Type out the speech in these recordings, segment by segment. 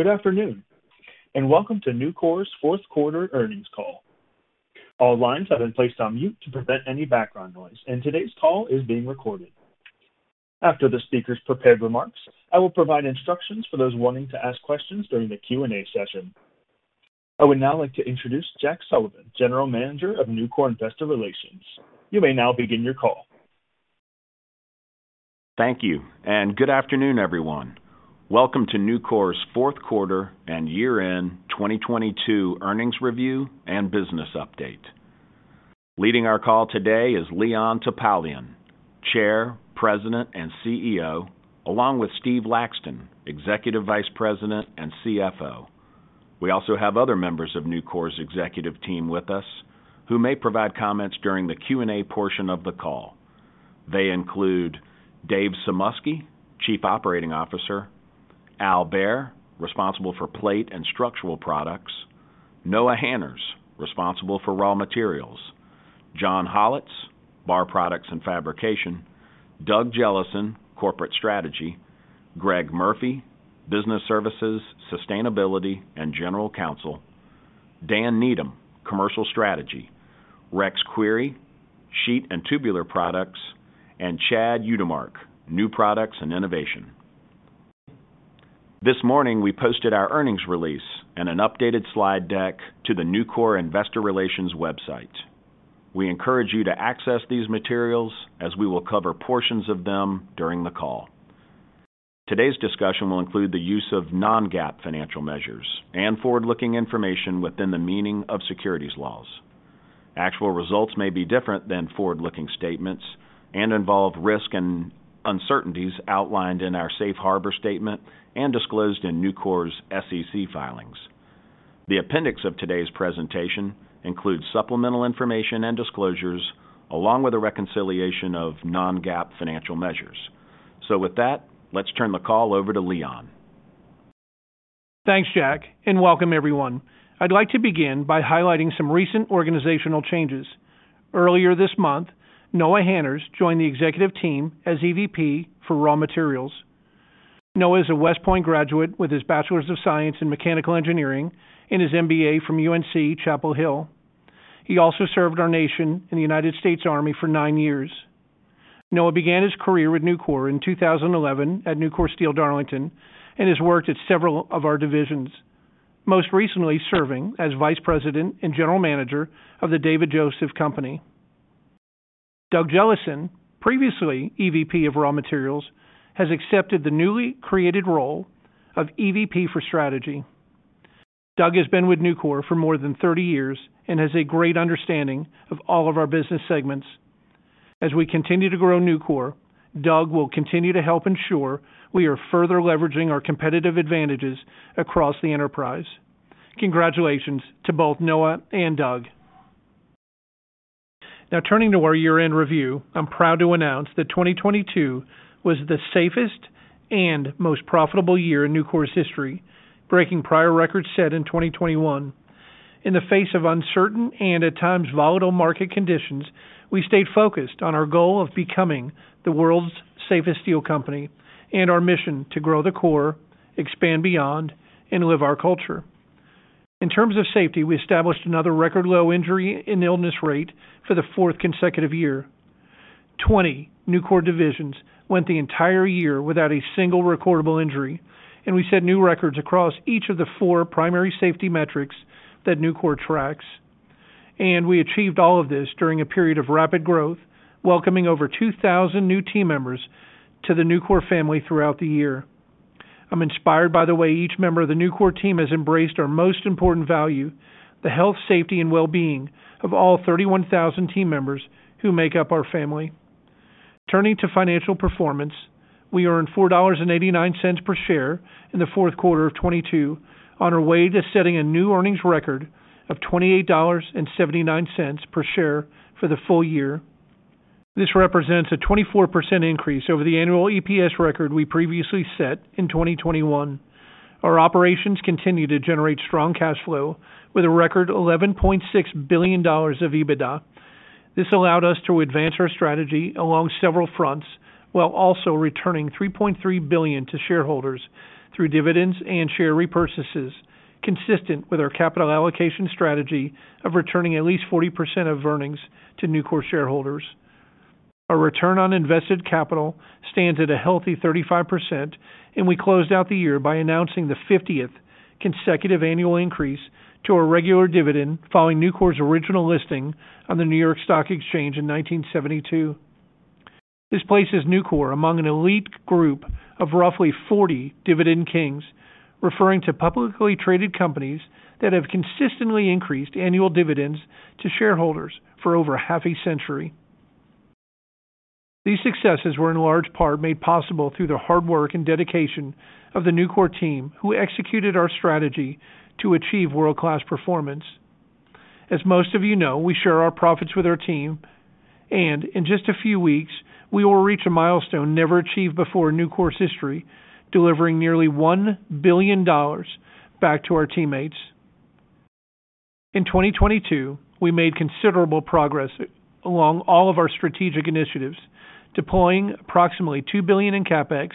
Good afternoon, welcome to Nucor's Fourth Quarter Earnings Call. All lines have been placed on mute to prevent any background noise. Today's call is being recorded. After the speaker's prepared remarks, I will provide instructions for those wanting to ask questions during the Q&A session. I would now like to introduce Jack Sullivan, General Manager of Nucor Investor Relations. You may now begin your call. Thank you. Good afternoon, everyone. Welcome to Nucor's fourth quarter and year-end 2022 earnings review and business update. Leading our call today is Leon Topalian, Chair, President, and CEO, along with Steve Laxton, Executive Vice President and CFO. We also have other members of Nucor's executive team with us who may provide comments during the Q&A portion of the call. They include Dave Sumoski, Chief Operating Officer, Al Behr, responsible for Plate and Structural Products, Noah Hanners, responsible for Raw Materials, John Hollatz, Bar Products and Fabrication, Doug Jellison, Corporate Strategy, Greg Murphy, Business Services, Sustainability, and General Counsel, Dan Needham, Commercial Strategy, Rex Query, Sheet and Tubular Products, and Chad Utermark, New Products and Innovation. This morning, we posted our earnings release and an updated slide deck to the Nucor Investor Relations website. We encourage you to access these materials as we will cover portions of them during the call. Today's discussion will include the use of non-GAAP financial measures and forward-looking information within the meaning of securities laws. Actual results may be different than forward-looking statements and involve risk and uncertainties outlined in our safe harbor statement and disclosed in Nucor's SEC filings. The appendix of today's presentation includes supplemental information and disclosures along with a reconciliation of non-GAAP financial measures. With that, let's turn the call over to Leon. Thanks, Jack. Welcome everyone. I'd like to begin by highlighting some recent organizational changes. Earlier this month, Noah Hanners joined the executive team as EVP for Raw Materials. Noah is a West Point graduate with his Bachelor's of Science in Mechanical Engineering and his MBA from UNC Chapel Hill. He also served our nation in the United States Army for nine years. Noah began his career with Nucor in 2011 at Nucor Steel Darlington and has worked at several of our divisions. Most recently serving as Vice President and General Manager of The David Joseph Company. Doug Jellison, previously EVP of Raw Materials, has accepted the newly created role of EVP for Strategy. Doug has been with Nucor for more than 30 years and has a great understanding of all of our business segments. As we continue to grow Nucor, Doug will continue to help ensure we are further leveraging our competitive advantages across the enterprise. Congratulations to both Noah and Doug. Now turning to our year-end review, I'm proud to announce that 2022 was the safest and most profitable year in Nucor's history, breaking prior records set in 2021. In the face of uncertain and at times volatile market conditions, we stayed focused on our goal of becoming the world's safest steel company and our mission to grow the core, expand beyond, and live our culture. In terms of safety, we established another record low injury and illness rate for the fourth consecutive year. 20 Nucor divisions went the entire year without a single recordable injury, and we set new records across each of the four primary safety metrics that Nucor tracks. We achieved all of this during a period of rapid growth, welcoming over 2,000 new team members to the Nucor family throughout the year. I'm inspired by the way each member of the Nucor team has embraced our most important value, the health, safety, and well-being of all 31,000 team members who make up our family. Turning to financial performance, we earned $4.89 per share in Q4 2022 on our way to setting a new earnings record of $28.79 per share for the full year. This represents a 24% increase over the annual EPS record we previously set in 2021. Our operations continue to generate strong cash flow with a record $11.6 billion of EBITDA. This allowed us to advance our strategy along several fronts, while also returning $3.3 billion to shareholders through dividends and share repurchases, consistent with our capital allocation strategy of returning at least 40% of earnings to Nucor shareholders. Our return on invested capital stands at a healthy 35%, and we closed out the year by announcing the 50th consecutive annual increase to our regular dividend following Nucor's original listing on the New York Stock Exchange in 1972. This places Nucor among an elite group of roughly 40 dividend kings, referring to publicly traded companies that have consistently increased annual dividends to shareholders for over half a century. These successes were in large part made possible through the hard work and dedication of the Nucor team who executed our strategy to achieve world-class performance. As most of you know, we share our profits with our team, and in just a few weeks, we will reach a milestone never achieved before in Nucor's history, delivering nearly $1 billion back to our teammates. In 2022, we made considerable progress along all of our strategic initiatives, deploying approximately $2 billion in CapEx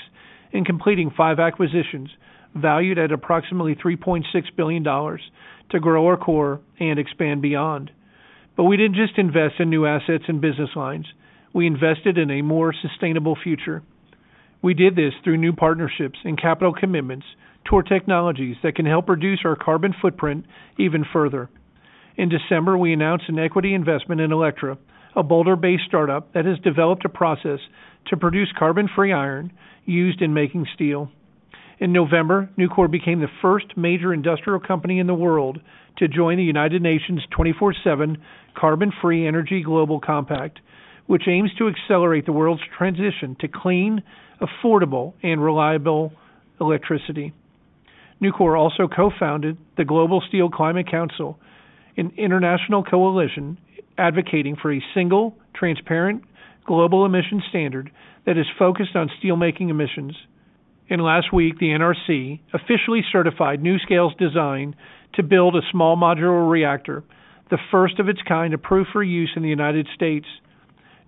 and completing five acquisitions valued at approximately $3.6 billion to grow our core and expand beyond. We didn't just invest in new assets and business lines, we invested in a more sustainable future. We did this through new partnerships and capital commitments toward technologies that can help reduce our carbon footprint even further. In December, we announced an Equity Investment in Electra, a Boulder-based startup that has developed a process to produce carbon-free iron used in making steel. In November, Nucor became the first major industrial company in the world to join the United Nations 24/7 Carbon-Free Energy Global Compact, which aims to accelerate the world's transition to clean, affordable, and reliable Electricity. Nucor also co-founded the Global Steel Climate Council, an international coalition advocating for a single, transparent, global emission standard that is focused on steel-making emissions. Last week, the NRC officially certified NuScale's design to build a small modular reactor, the first of its kind approved for use in the United States.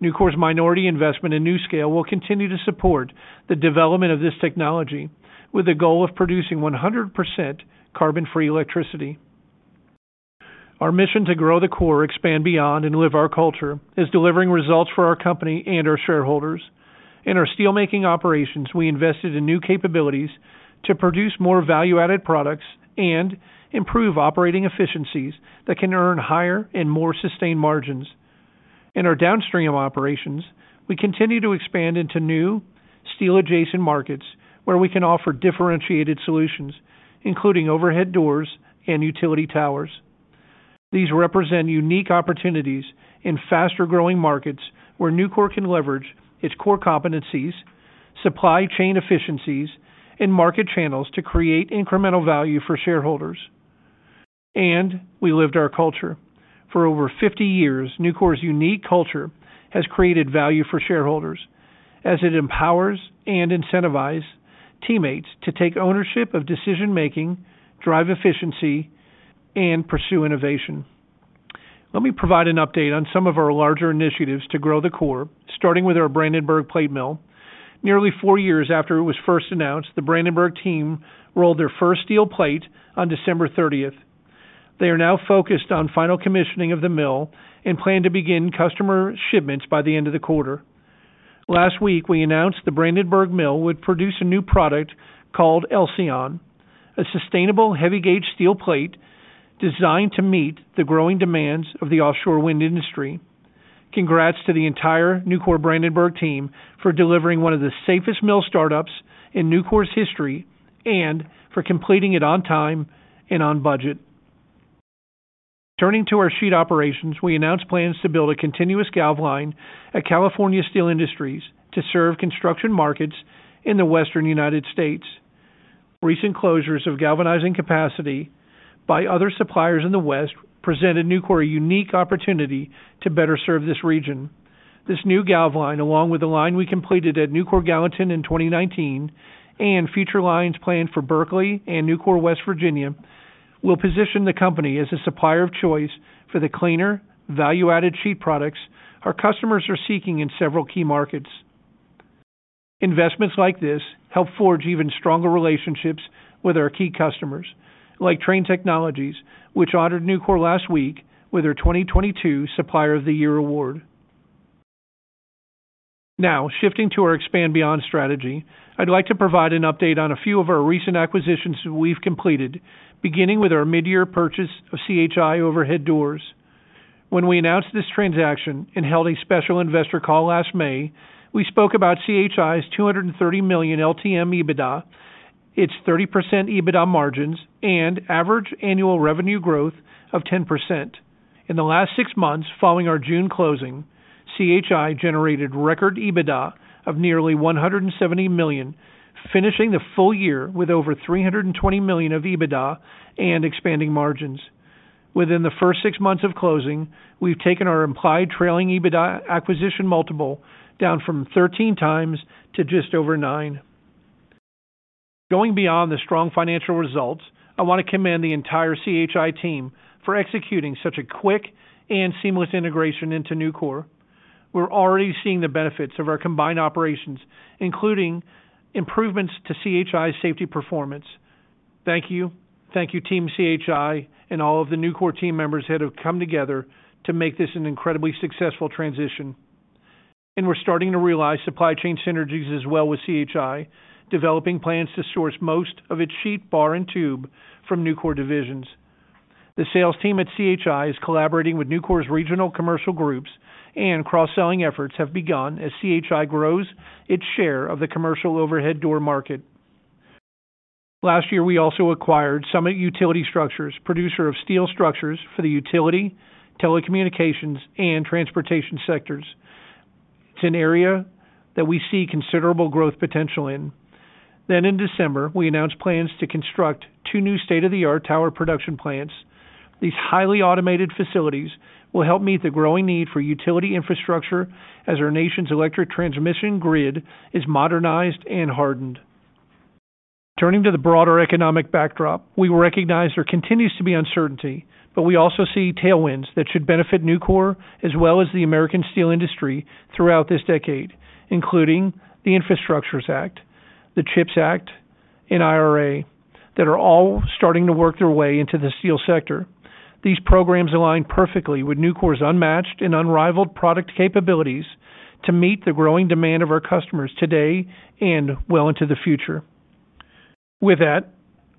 Nucor's minority investment in NuScale will continue to support the development of this technology with the goal of producing 100% carbon-free Electricity. Our mission to grow the core, expand beyond, and live our culture is delivering results for our company and our shareholders. In our steelmaking operations, we invested in new capabilities to produce more value-added products and improve operating efficiencies that can earn higher and more sustained margins. In our downstream operations, we continue to expand into new steel-adjacent markets where we can offer differentiated solutions, including Overhead Doors and utility towers. These represent unique opportunities in faster-growing markets where Nucor can leverage its core competencies, supply chain efficiencies, and market channels to create incremental value for shareholders. We lived our culture. For over 50 years, Nucor's unique culture has created value for shareholders as it empowers and incentivize teammates to take ownership of decision-making, drive efficiency, and pursue innovation. Let me provide an update on some of our larger initiatives to grow the core, starting with our Brandenburg plate mill. Nearly four years after it was first announced, the Brandenburg team rolled their first steel plate on December 30th. They are now focused on final commissioning of the mill and plan to begin customer shipments by the end of the quarter. Last week, we announced the Brandenburg mill would produce a new product called Elcyon, a sustainable heavy gauge steel plate designed to meet the growing demands of the offshore wind industry. Congrats to the entire Nucor Brandenburg team for delivering one of the safest mill startups in Nucor's history and for completing it on time and on budget. Turning to our sheet operations, we announced plans to build a continuous Galv Line at California Steel Industries to serve construction markets in the western United States. Recent closures of galvanizing capacity by other suppliers in the West presented Nucor a unique opportunity to better serve this region. This new Galv Line, along with the line we completed at Nucor Steel Gallatin in 2019 and future lines planned for Berkeley and Nucor Steel West Virginia, will position the company as a supplier of choice for the cleaner, value-added sheet products our customers are seeking in several key markets. Investments like this help forge even stronger relationships with our key customers, like Trane Technologies, which honored Nucor last week with their 2022 Supplier of the Year award. Shifting to our expand beyond strategy, I'd like to provide an update on a few of our recent acquisitions we've completed, beginning with our mid-year purchase of C.H.I. Overhead Doors. When we announced this transaction and held a special investor call last May, we spoke about C.H.I.'s $230 million LTM EBITDA, its 30% EBITDA margins, and average annual revenue growth of 10%. In the last six months following our June closing, CHI generated record EBITDA of nearly $170 million, finishing the full year with over $320 million of EBITDA and expanding margins. Within the first six months of closing, we've taken our implied trailing EBITDA acquisition multiple down from 13x to just over 9x. Going beyond the strong financial results, I want to commend the entire CHI team for executing such a quick and seamless integration into Nucor. We're already seeing the benefits of our combined operations, including improvements to CHI's safety performance. Thank you. Thank you, Team CHI and all of the Nucor team members that have come together to make this an incredibly successful transition. We're starting to realize supply chain synergies as well with CHI, developing plans to source most of its sheet, bar, and tube from Nucor divisions. The sales team at C.H.I. is collaborating with Nucor's regional commercial groups and cross-selling efforts have begun as C.H.I. grows its share of the commercial overhead door market. Last year, we also acquired Summit Utility Structures, producer of steel structures for the utility, telecommunications, and Transportation Sectors. It's an area that we see considerable growth potential in. In December, we announced plans to construct two new state-of-the-art tower production plants. These highly automated facilities will help meet the growing need for utility infrastructure as our nation's electric transmission grid is modernized and hardened. Turning to the broader economic backdrop, we recognize there continues to be uncertainty, but we also see tailwinds that should benefit Nucor as well as the American steel industry throughout this decade, including the Infrastructures Act, the CHIPS Act, and IRA, that are all starting to work their way into the steel sector. These programs align perfectly with Nucor's unmatched and unrivaled product capabilities to meet the growing demand of our customers today and well into the future. With that,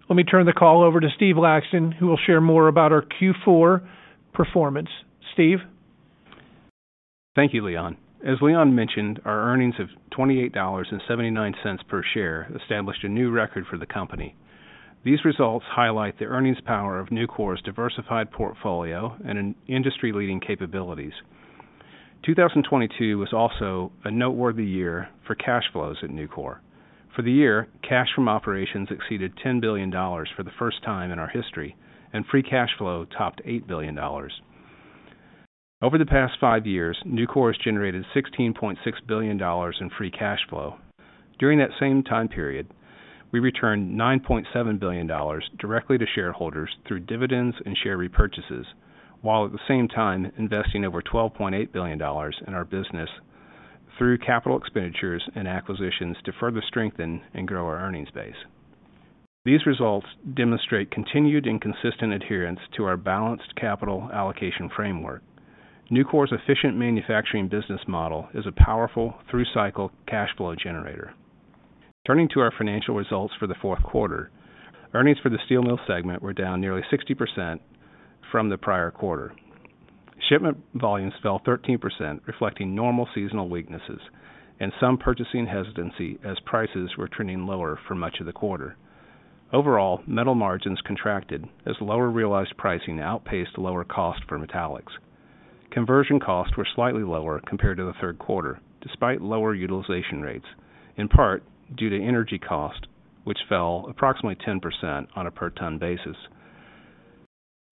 let me turn the call over to Steve Laxton, who will share more about our Q4 performance. Steve? Thank you, Leon. As Leon mentioned, our earnings of $28.79 per share established a new record for the company. These results highlight the earnings power of Nucor's diversified portfolio and in-industry-leading capabilities. 2022 was also a noteworthy year for cash flows at Nucor. For the year, cash from operations exceeded $10 billion for the first time in our history, and free cash flow topped $8 billion. Over the past five years, Nucor has generated $16.6 billion in free cash flow. During that same time period, we returned $9.7 billion directly to shareholders through dividends and share repurchases, while at the same time investing over $12.8 billion in our business through capital expenditures and acquisitions to further strengthen and grow our earnings base. These results demonstrate continued and consistent adherence to our balanced capital allocation framework. Nucor's efficient manufacturing business model is a powerful through-cycle cash flow generator. Turning to our financial results for the fourth quarter, earnings for the steel mill segment were down nearly 60% from the prior quarter. Shipment volumes fell 13%, reflecting normal seasonal weaknesses and some purchasing hesitancy as prices were trending lower for much of the quarter. Metal margins contracted as lower realized pricing outpaced lower cost for metallics. Conversion costs were slightly lower compared to the third quarter, despite lower utilization rates, in part due to energy cost, which fell approximately 10% on a per ton basis.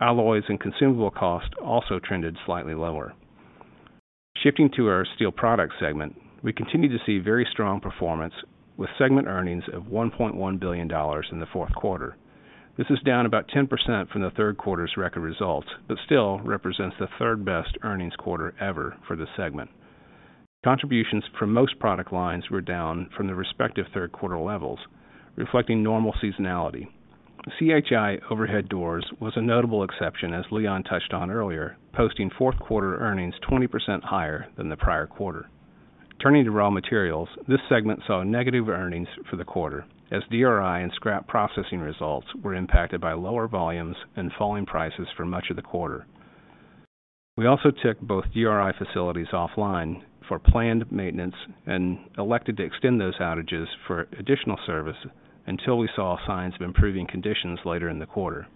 Alloys and consumable costs also trended slightly lower. Shifting to our Steel Products segment, we continue to see very strong performance with segment earnings of $1.1 billion in the fourth quarter. This is down about 10% from the third quarter's record results, but still represents the third-best earnings quarter ever for the segment. Contributions from most product lines were down from the respective third quarter levels, reflecting normal seasonality. C.H.I. Overhead Doors was a notable exception as Leon touched on earlier, posting fourth quarter earnings 20% higher than the prior quarter. This segment saw negative earnings for the quarter as DRI and scrap processing results were impacted by lower volumes and falling prices for much of the quarter. We also took both DRI facilities offline for planned maintenance and elected to extend those outages for additional service until we saw signs of improving conditions later in the quarter.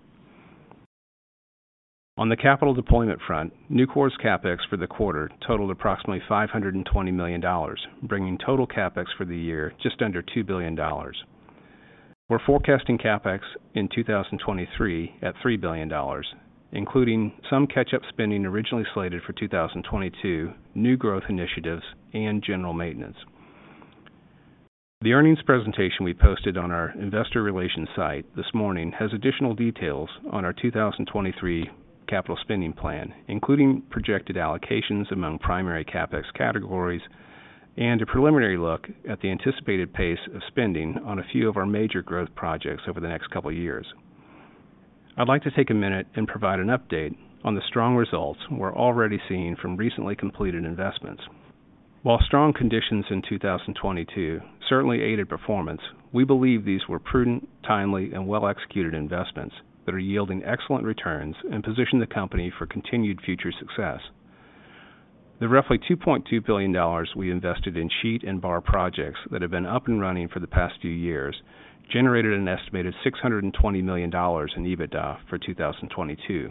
On the capital deployment front, Nucor's CapEx for the quarter totaled approximately $520 million, bringing total CapEx for the year just under $2 billion. We're forecasting CapEx in 2023 at $3 billion, including some catch-up spending originally slated for 2022, new growth initiatives, and general maintenance. The earnings presentation we posted on our Investor Relations site this morning has additional details on our 2023 capital spending plan, including projected allocations among primary CapEx categories and a preliminary look at the anticipated pace of spending on a few of our major growth projects over the next couple of years. I'd like to take a minute and provide an update on the strong results we're already seeing from recently completed investments. While strong conditions in 2022 certainly aided performance, we believe these were prudent, timely, and well-executed investments that are yielding excellent returns and position the company for continued future success. The roughly $2.2 billion we invested in sheet and bar projects that have been up and running for the past few years generated an estimated $620 million in EBITDA for 2022.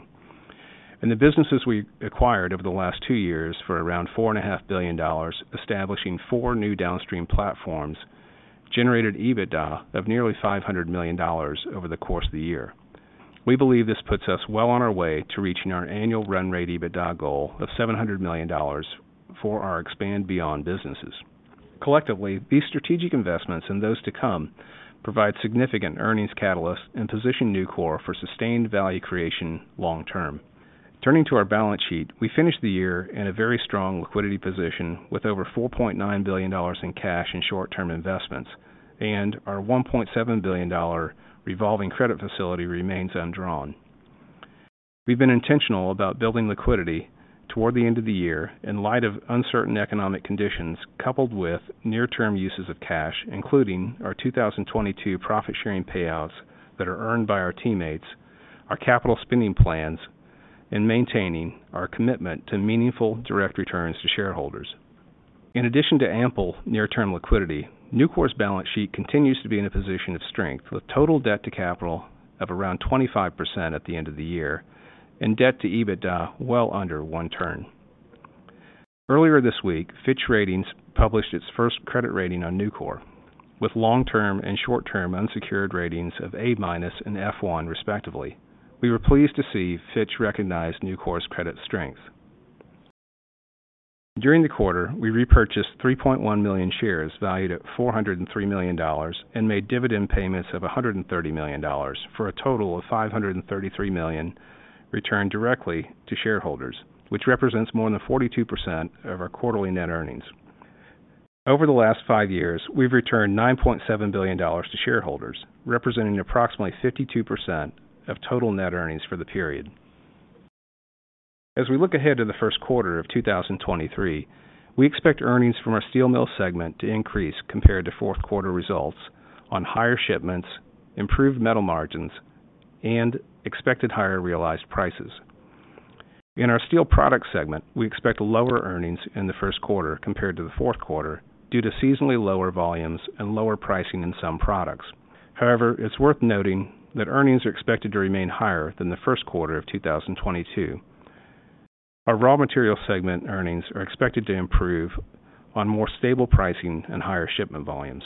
The businesses we acquired over the last two years for around $4.5 billion, establishing four new downstream platforms, generated EBITDA of nearly $500 million over the course of the year. We believe this puts us well on our way to reaching our annual run rate EBITDA goal of $700 million for our expand beyond businesses. Collectively, these strategic investments and those to come provide significant earnings catalyst and position Nucor for sustained value creation long term. Turning to our balance sheet, we finished the year in a very strong liquidity position with over $4.9 billion in cash and short-term investments, and our $1.7 billion revolving credit facility remains undrawn. We've been intentional about building liquidity toward the end of the year in light of uncertain economic conditions, coupled with near-term uses of cash, including our 2022 profit sharing payouts that are earned by our teammates, our capital spending plans, and maintaining our commitment to meaningful direct returns to shareholders. In addition to ample near-term liquidity, Nucor's balance sheet continues to be in a position of strength with total debt to capital of around 25% at the end of the year and debt to EBITDA well under one turn. Earlier this week, Fitch Ratings published its first credit rating on Nucor with long-term and short-term unsecured ratings of A- and F1, respectively. We were pleased to see Fitch recognize Nucor's credit strength. During the quarter, we repurchased 3.1 million shares valued at $403 million and made dividend payments of $130 million, for a total of $533 million returned directly to shareholders, which represents more than 42% of our quarterly net earnings. Over the last five years, we've returned $9.7 billion to shareholders, representing approximately 52% of total net earnings for the period. As we look ahead to the first quarter of 2023, we expect earnings from our steel mill segment to increase compared to fourth quarter results on higher shipments, improved metal margins, and expected higher realized prices. In our Steel Products segment, we expect lower earnings in the first quarter compared to the fourth quarter due to seasonally lower volumes and lower pricing in some products. However, it's worth noting that earnings are expected to remain higher than the first quarter of 2022. Our raw material segment earnings are expected to improve on more stable pricing and higher shipment volumes.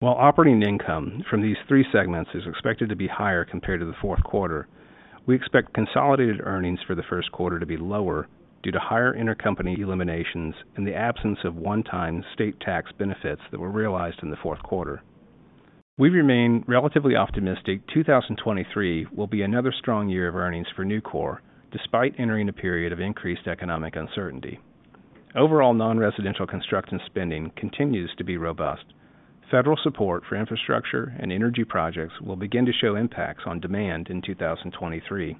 While operating income from these three segments is expected to be higher compared to the fourth quarter, we expect Consolidated Earnings for the first quarter to be lower due to higher intercompany eliminations and the absence of one-time state tax benefits that were realized in the fourth quarter. We remain relatively optimistic 2023 will be another strong year of earnings for Nucor, despite entering a period of increased economic uncertainty. Overall, non-residential construction spending continues to be robust. Federal support for infrastructure and energy projects will begin to show impacts on demand in 2023.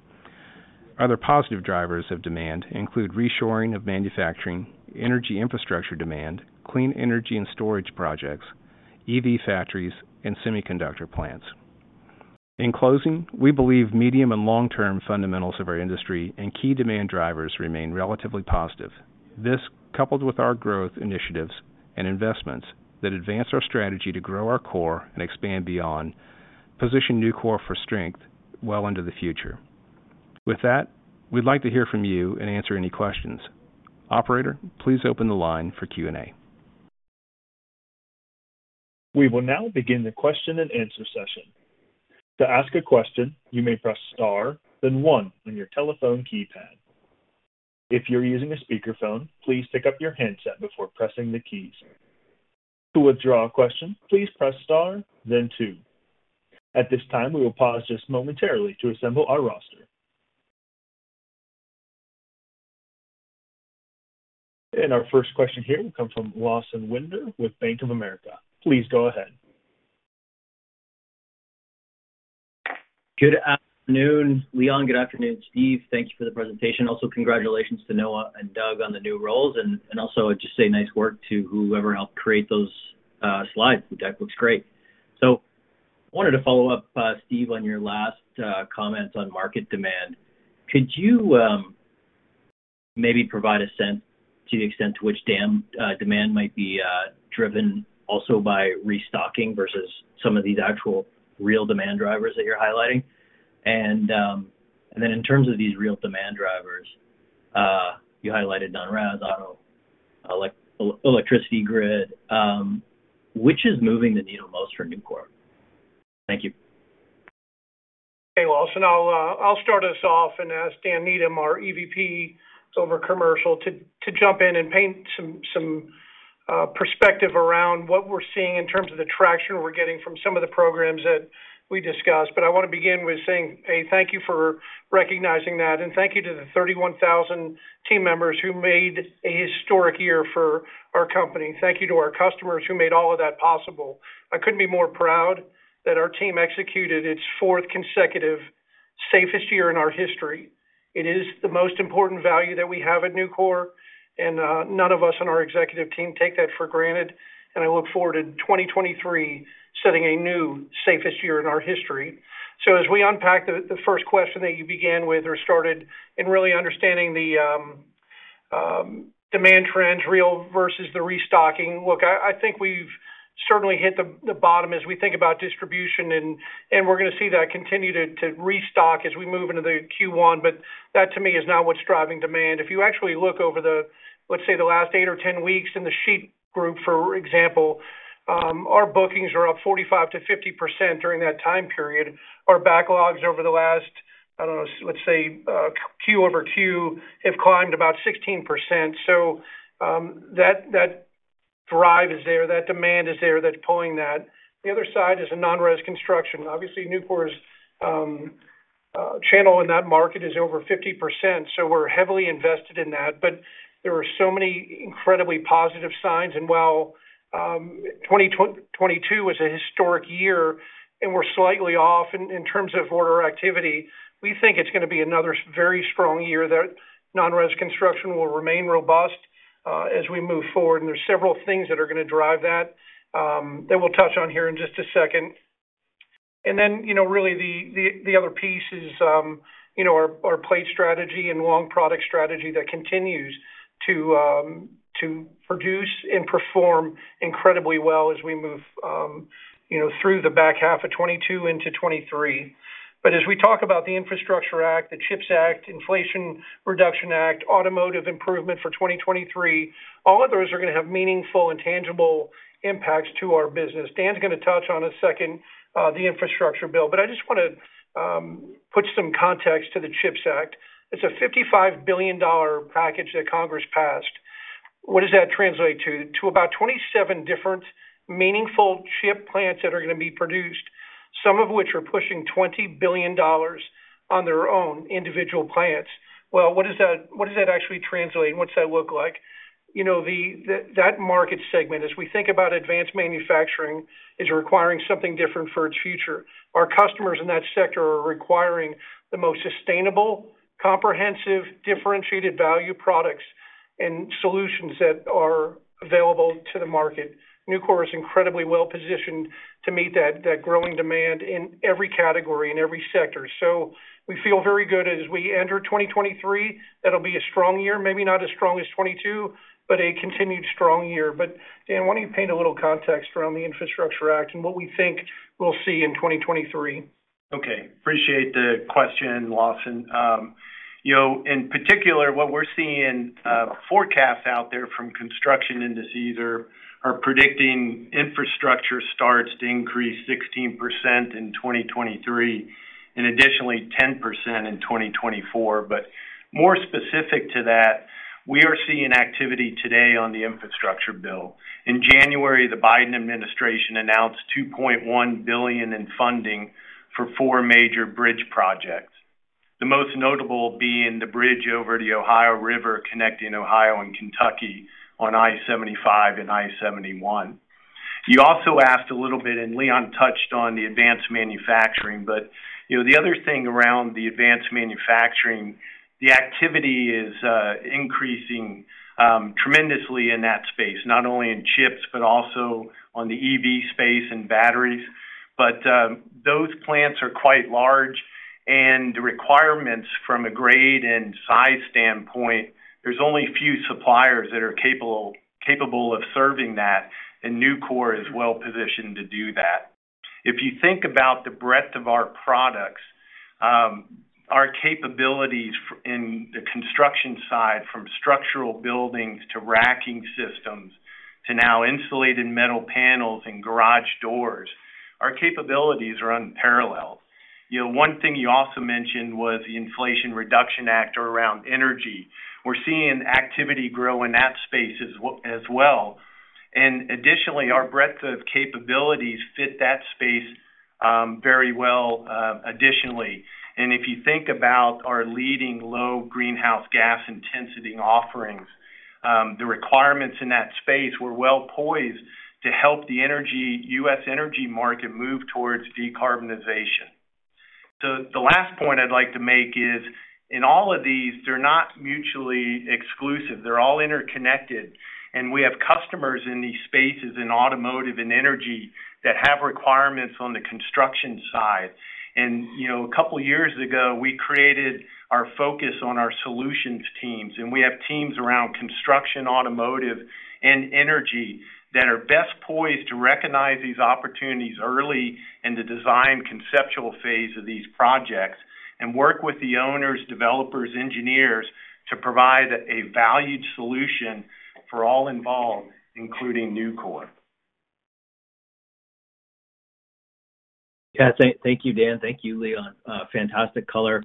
Other positive drivers of demand include reshoring of manufacturing, energy infrastructure demand, clean energy and storage projects, EV factories, and semiconductor plants. In closing, we believe medium and long-term fundamentals of our industry and key demand drivers remain relatively positive. This, coupled with our growth initiatives and investments that advance our strategy to grow our core and expand beyond position Nucor for strength well into the future. With that, we'd like to hear from you and answer any questions. Operator, please open the line for Q&A. We will now begin the question and answer session. To ask a question, you may press star, then one on your telephone keypad. If you're using a speakerphone, please pick up your handset before pressing the keys. To withdraw a question, please press star, then one. At this time, we will pause just momentarily to assemble our roster. Our first question here will come from Lawson Winder with Bank of America. Please go ahead. Good afternoon, Leon. Good afternoon, Steve. Thank you for the presentation. Also, congratulations to Noah and Doug on the new roles. Also just say nice work to whoever helped create those slides. The deck looks great. I wanted to follow up, Steve, on your last comments on market demand. Could you maybe provide a sense to the extent to which demand might be driven also by restocking versus some of these actual real demand drivers that you're highlighting? Then in terms of these real demand drivers, you highlighted non-res, auto, electricity grid. Which is moving the needle most for Nucor? Thank you. Hey, Lawson, I'll start us off and ask Dan Needham, our EVP over Commercial to jump in and paint some perspective around what we're seeing in terms of the traction we're getting from some of the programs that we discussed. I wanna begin with saying a thank you for recognizing that. Thank you to the 31,000 team members who made a historic year for our company. Thank you to our customers who made all of that possible. I couldn't be more proud that our team executed its fourth consecutive safest year in our history. It is the most important value that we have at Nucor, and none of us on our executive team take that for granted. I look forward to 2023 setting a new safest year in our history. As we unpack the first question that you began with or started in really understanding the demand trends real versus the restocking. Look, I think we've certainly hit the bottom as we think about distribution and we're gonna see that continue to restock as we move into the Q1. That to me is not what's driving demand. If you actually look over the, let's say, the last eight or 10 weeks in the sheet group, for example, our bookings are up 45%-50% during that time period. Our backlogs over the last, I don't know, let's say, QoQ have climbed about 16%. That drive is there, that demand is there, that's pulling that. The other side is a non-res construction. Obviously, Nucor's channel in that market is over 50%, so we're heavily invested in that. There are so many incredibly positive signs. While 2022 was a historic year and we're slightly off in terms of order activity, we think it's gonna be another very strong year that non-res construction will remain robust as we move forward. There's several things that are gonna drive that that we'll touch on here in just a second. Then, you know, really the other piece is, you know, our plate strategy and long product strategy that continues to produce and perform incredibly well as we move, you know, through the back half of 2022 into 2023. As we talk about the Infrastructure Act, the CHIPS Act, Inflation Reduction Act, Automotive Improvement for 2023. All of those are gonna have meaningful and tangible impacts to our business. Dan's gonna touch on a second, the infrastructure bill. I just wanna put some context to the CHIPS Act. It's a $55 billion package that Congress passed. What does that translate to? About 27 different meaningful chip plants that are gonna be produced, some of which are pushing $20 billion on their own individual plants. What does that actually translate, and what's that look like? You know, that market segment, as we think about advanced manufacturing, is requiring something different for its future. Our customers in that sector are requiring the most sustainable, comprehensive, differentiated value products and solutions that are available to the market. Nucor is incredibly well-positioned to meet that growing demand in every category and every sector. We feel very good as we enter 2023, that'll be a strong year, maybe not as strong as 2022, but a continued strong year. Dan, why don't you paint a little context around the Infrastructure Act and what we think we'll see in 2023? Okay. Appreciate the question, Lawson. You know, in particular, what we're seeing in forecasts out there from construction indices are predicting infrastructure starts to increase 16% in 2023, and additionally 10% in 2024. More specific to that, we are seeing activity today on the Infrastructure bill. In January, the Biden administration announced $2.1 billion in funding for four major bridge projects. The most notable being the bridge over the Ohio River, connecting Ohio and Kentucky on I-75 and I-71. You also asked a little bit, and Leon touched on the advanced manufacturing. You know, the other thing around the advanced manufacturing, the activity is increasing tremendously in that space, not only in CHIPS, but also on the EV space and batteries. Those plants are quite large, and the requirements from a grade and size standpoint, there's only a few suppliers that are capable of serving that, and Nucor is well-positioned to do that. If you think about the breadth of our products, our capabilities in the construction side from structural buildings to racking systems to now Insulated Metal Panels and garage doors, our capabilities are unparalleled. You know, one thing you also mentioned was the Inflation Reduction Act around energy. We're seeing activity grow in that space as well. Additionally, our breadth of capabilities fit that space very well, additionally. If you think about our leading low greenhouse gas intensity offerings, the requirements in that space, we're well-poised to help the U.S. energy market move towards decarbonization. The last point I'd like to make is, in all of these, they're not mutually exclusive. They're all interconnected, and we have customers in these spaces in Automotive and Energy that have requirements on the construction side. You know, a couple of years ago, we created our focus on our solutions teams, and we have teams around construction, Automotive, and Energy that are best poised to recognize these opportunities early in the design conceptual phase of these projects and work with the owners, developers, engineers to provide a valued solution for all involved, including Nucor. Yeah. Thank you, Dan. Thank you, Leon. Fantastic color.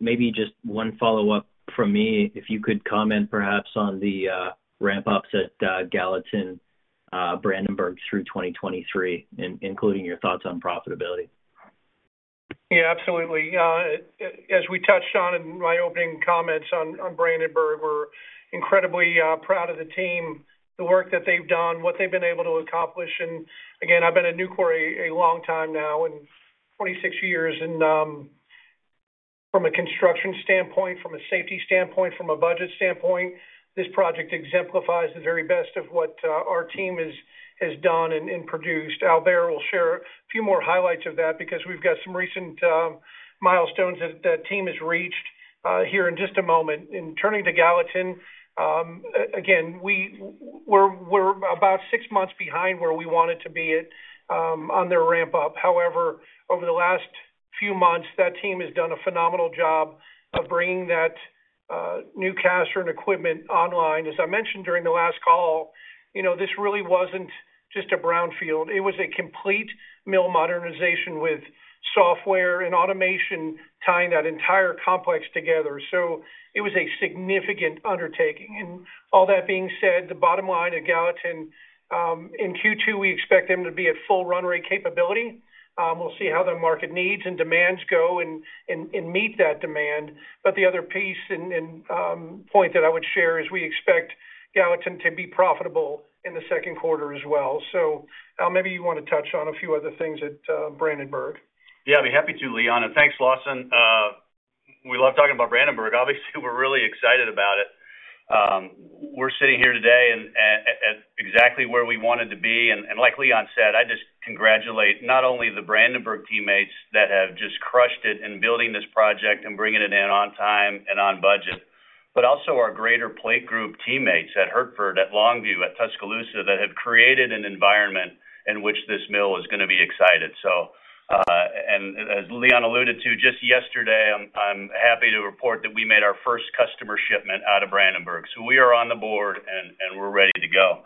Maybe just one follow-up from me, if you could comment perhaps on the ramp-ups at Gallatin, Brandenburg through 2023, including your thoughts on profitability. Yeah, absolutely. As we touched on in my opening comments on Brandenburg, we're incredibly proud of the team, the work that they've done, what they've been able to accomplish. Again, I've been at Nucor a long time now, 26 years. From a construction standpoint, from a safety standpoint, from a budget standpoint, this project exemplifies the very best of what our team has done and produced. Albert will share a few more highlights of that because we've got some recent milestones that team has reached here in just a moment. Turning to Gallatin, again, we're about six months behind where we wanted to be at on their ramp-up. However, over the last few months, that team has done a phenomenal job of bringing that new caster and equipment online. As I mentioned during the last call, you know, this really wasn't just a brownfield. It was a complete mill modernization with software and automation tying that entire complex together. It was a significant undertaking. All that being said, the bottom line at Gallatin in Q2, we expect them to be at full run rate capability. We'll see how the market needs and demands go and meet that demand. The other piece and point that I would share is we expect Gallatin to be profitable in the second quarter as well. Al, maybe you wanna touch on a few other things at Brandenburg. Yeah, I'd be happy to, Leon. Thanks, Lawson. We love talking about Brandenburg. Obviously, we're really excited about it. We're sitting here today and at exactly where we wanted to be. Like Leon said, I just congratulate not only the Brandenburg teammates that have just crushed it in building this project and bringing it in on time and on budget, but also our greater plate group teammates at Hertford, at Longview, at Tuscaloosa, that have created an environment in which this mill is gonna be excited. So, as Leon alluded to just yesterday, I'm happy to report that we made our first customer shipment out of Brandenburg. We are on the board and we're ready to go.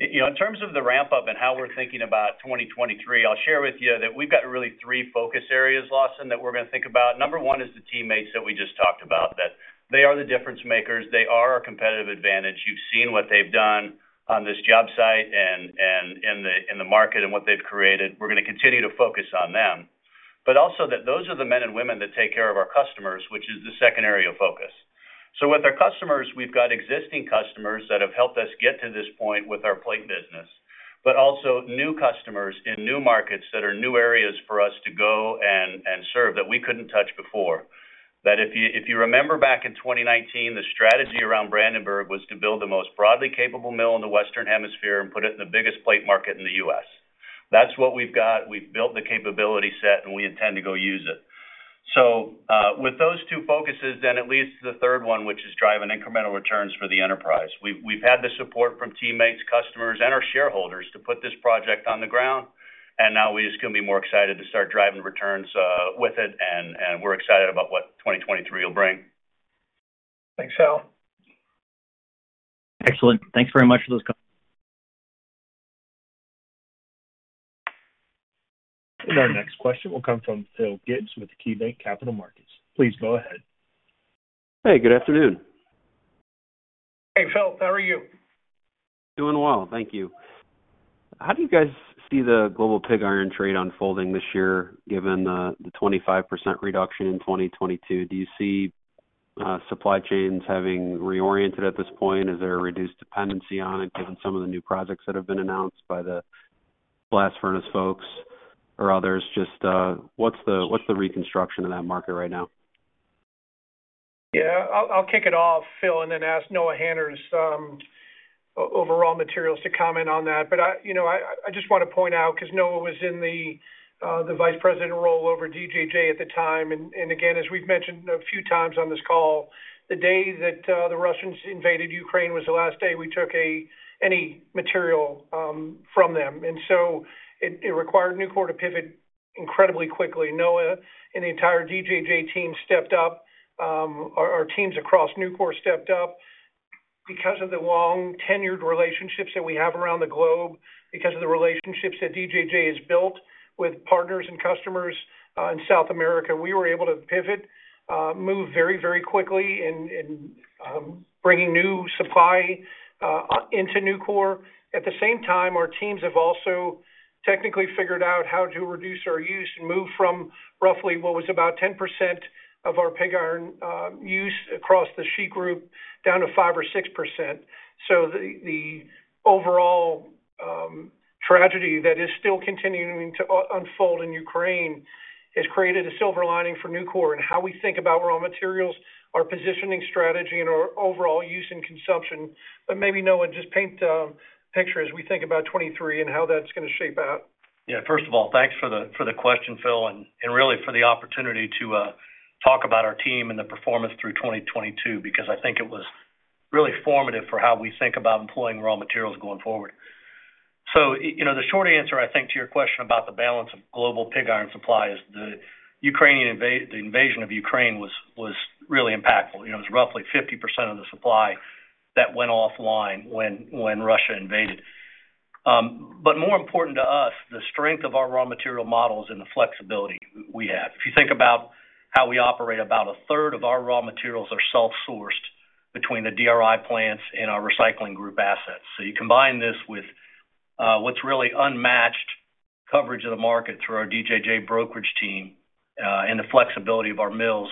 You know, in terms of the ramp-up and how we're thinking about 2023, I'll share with you that we've got really three focus areas, Lawson, that we're gonna think about. Number 1 is the teammates that we just talked about, that they are the difference makers, they are our competitive advantage. You've seen what they've done on this job site and in the market and what they've created. We're gonna continue to focus on them. Also that those are the men and women that take care of our customers, which is the second area of focus. With our customers, we've got existing customers that have helped us get to this point with our plate business, but also new customers in new markets that are new areas for us to go and serve that we couldn't touch before. If you remember back in 2019, the strategy around Brandenburg was to build the most broadly capable mill in the Western Hemisphere and put it in the biggest plate market in the U.S. That's what we've got. We've built the capability set, and we intend to go use it. With those two focuses, then it leads to the third one, which is driving incremental returns for the enterprise. We've had the support from teammates, customers, and our shareholders to put this project on the ground, and now we just couldn't be more excited to start driving returns with it, and we're excited about what 2023 will bring. Thanks, Al. Excellent. Thanks very much for those comments. Our next question will come from Phil Gibbs with KeyBanc Capital Markets. Please go ahead. Hey, good afternoon. Hey, Phil. How are you? Doing well. Thank you. How do you guys see the global pig iron trade unfolding this year, given the 25% reduction in 2022? Do you see supply chains having reoriented at this point? Is there a reduced dependency on it, given some of the new projects that have been announced by the blast furnace folks or others? Just, what's the reconstruction in that market right now? Yeah. I'll kick it off, Phil, and then ask Noah Hanners, overall materials to comment on that. I, you know, I just wanna point out, 'cause Noah was in the vice president role over DJJ at the time. Again, as we've mentioned a few times on this call, the day that the Russians invaded Ukraine was the last day we took any material from them. It required Nucor to pivot incredibly quickly. Noah and the entire DJJ team stepped up. Our teams across Nucor stepped up. Because of the long-tenured relationships that we have around the globe, because of the relationships that DJJ has built with partners and customers, in South America, we were able to pivot, move very, very quickly in bringing new supply into Nucor. At the same time, our teams have also technically figured out how to reduce our use and move from roughly what was about 10% of our pig iron, use across the sheet group down to 5% or 6%. The overall tragedy that is still continuing to unfold in Ukraine has created a silver lining for Nucor in how we think about Raw Materials, our positioning strategy, and our overall use and consumption. Maybe, Noah, just paint a picture as we think about 2023 and how that's gonna shape out. First of all, thanks for the question, Phil, and really for the opportunity to talk about our team and the performance through 2022, because I think it was really formative for how we think about employing Raw Materials going forward. You know, the short answer, I think, to your question about the balance of global pig iron supply is the Ukrainian invasion of Ukraine was really impactful. You know, it was roughly 50% of the supply that went offline when Russia invaded. More important to us, the strength of our raw material models and the flexibility we have. If you think about how we operate, about a third of our Raw Materials are self-sourced between the DRI plants and our recycling group assets. You combine this with what's really unmatched coverage of the market through our DJJ brokerage team and the flexibility of our mills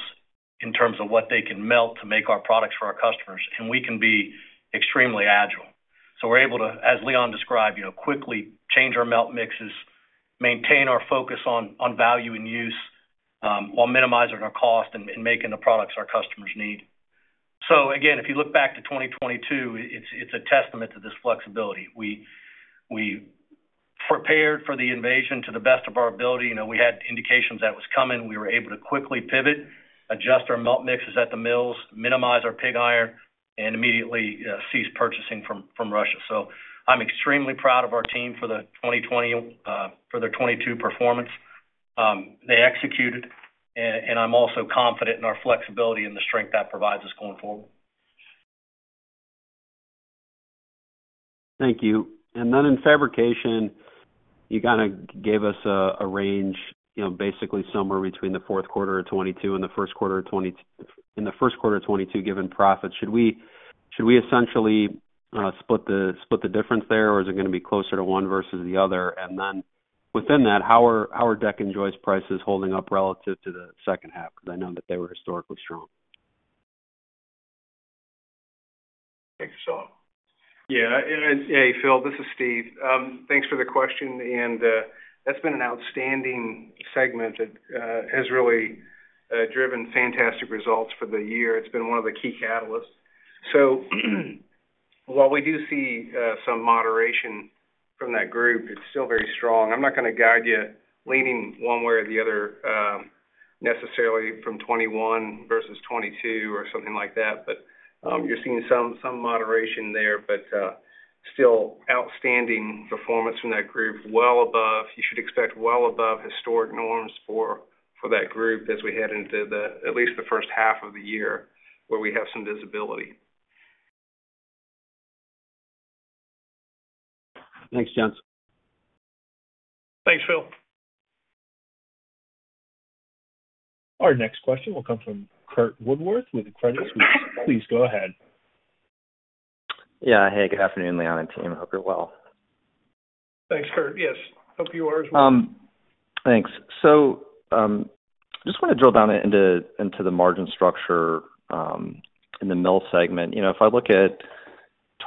in terms of what they can melt to make our products for our customers, and we can be extremely agile. We're able to, as Leon described, you know, quickly change our melt mixes, maintain our focus on value and use while minimizing our cost and making the products our customers need. Again, if you look back to 2022, it's a testament to this flexibility. We prepared for the invasion to the best of our ability. You know, we had indications that was coming. We were able to quickly pivot, adjust our melt mixes at the mills, minimize our pig iron, and immediately cease purchasing from Russia. I'm extremely proud of our team for the 2020, for their 2022 performance. They executed, and I'm also confident in our flexibility and the strength that provides us going forward. Thank you. Then in fabrication, you kinda gave us a range, you know, basically somewhere between the fourth quarter of 2022 and the first quarter of 2022, given profits. Should we essentially split the difference there, or is it gonna be closer to one versus the other? Then within that, how are deck and joists prices holding up relative to the second half? Because I know that they were historically strong. Thanks, Phil. Yeah. And hey, Phil, this is Steve. Thanks for the question, and that's been an outstanding segment. It has really driven fantastic results for the year. It's been one of the key catalysts. While we do see some moderation from that group, it's still very strong. I'm not gonna guide you leaning one way or the other. Necessarily from 2021 versus 2022 or something like that. You're seeing some moderation there, but still outstanding performance from that group. You should expect well above historic norms for that group as we head into the, at least the first half of the year where we have some visibility. Thanks, gents. Thanks, Phil. Our next question will come from Curt Woodworth with Credit Suisse. Please go ahead. Yeah. Hey, good afternoon, Leon and team. Hope you're well. Thanks, Curt. Yes. Hope you are as well. Thanks. Just wanna drill down into the margin structure in the mill segment. You know, if I look at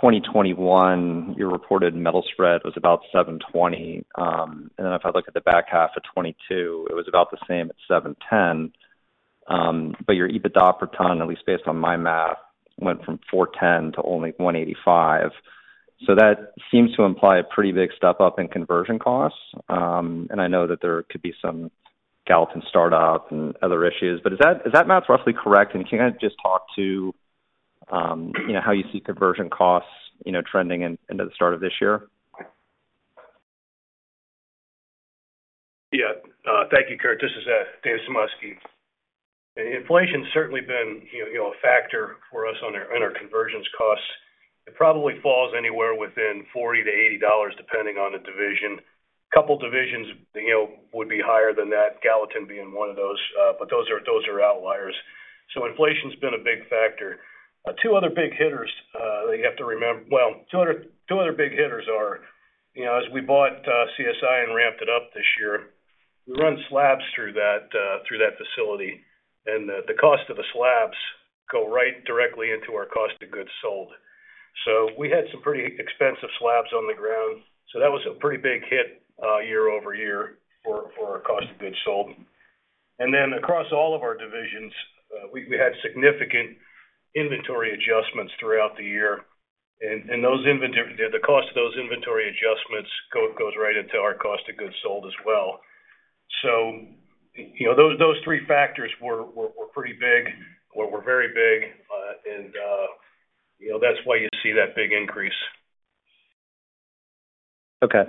2021, your reported metal spread was about $720. Then if I look at the back half of 2022, it was about the same at $710. Your EBITDA per ton, at least based on my math, went from $410 to only 185. That seems to imply a pretty big step-up in conversion costs. I know that there could be some Gallatin startup and other issues. Is that math roughly correct? Can you kind of just talk to, you know, how you see conversion costs, you know, trending into the start of this year? Thank you, Curt Woodworth. This is David Sumoski. Inflation's certainly been, you know, a factor for us on our, on our conversions costs. It probably falls anywhere within $40-80, depending on the division. A couple divisions, you know, would be higher than that, Gallatin being one of those. Those are outliers. Inflation's been a big factor. Two other big hitters are, you know, as we bought CSI and ramped it up this year, we run slabs through that facility, and the cost of the slabs go right directly into our cost of goods sold. We had some pretty expensive slabs on the ground. That was a pretty big hit, year-over-year for our cost of goods sold. Then across all of our divisions, we had significant inventory adjustments throughout the year. The cost of those inventory adjustments goes right into our cost of goods sold as well. You know, those three factors were pretty big, were very big. You know, that's why you see that big increase. Okay.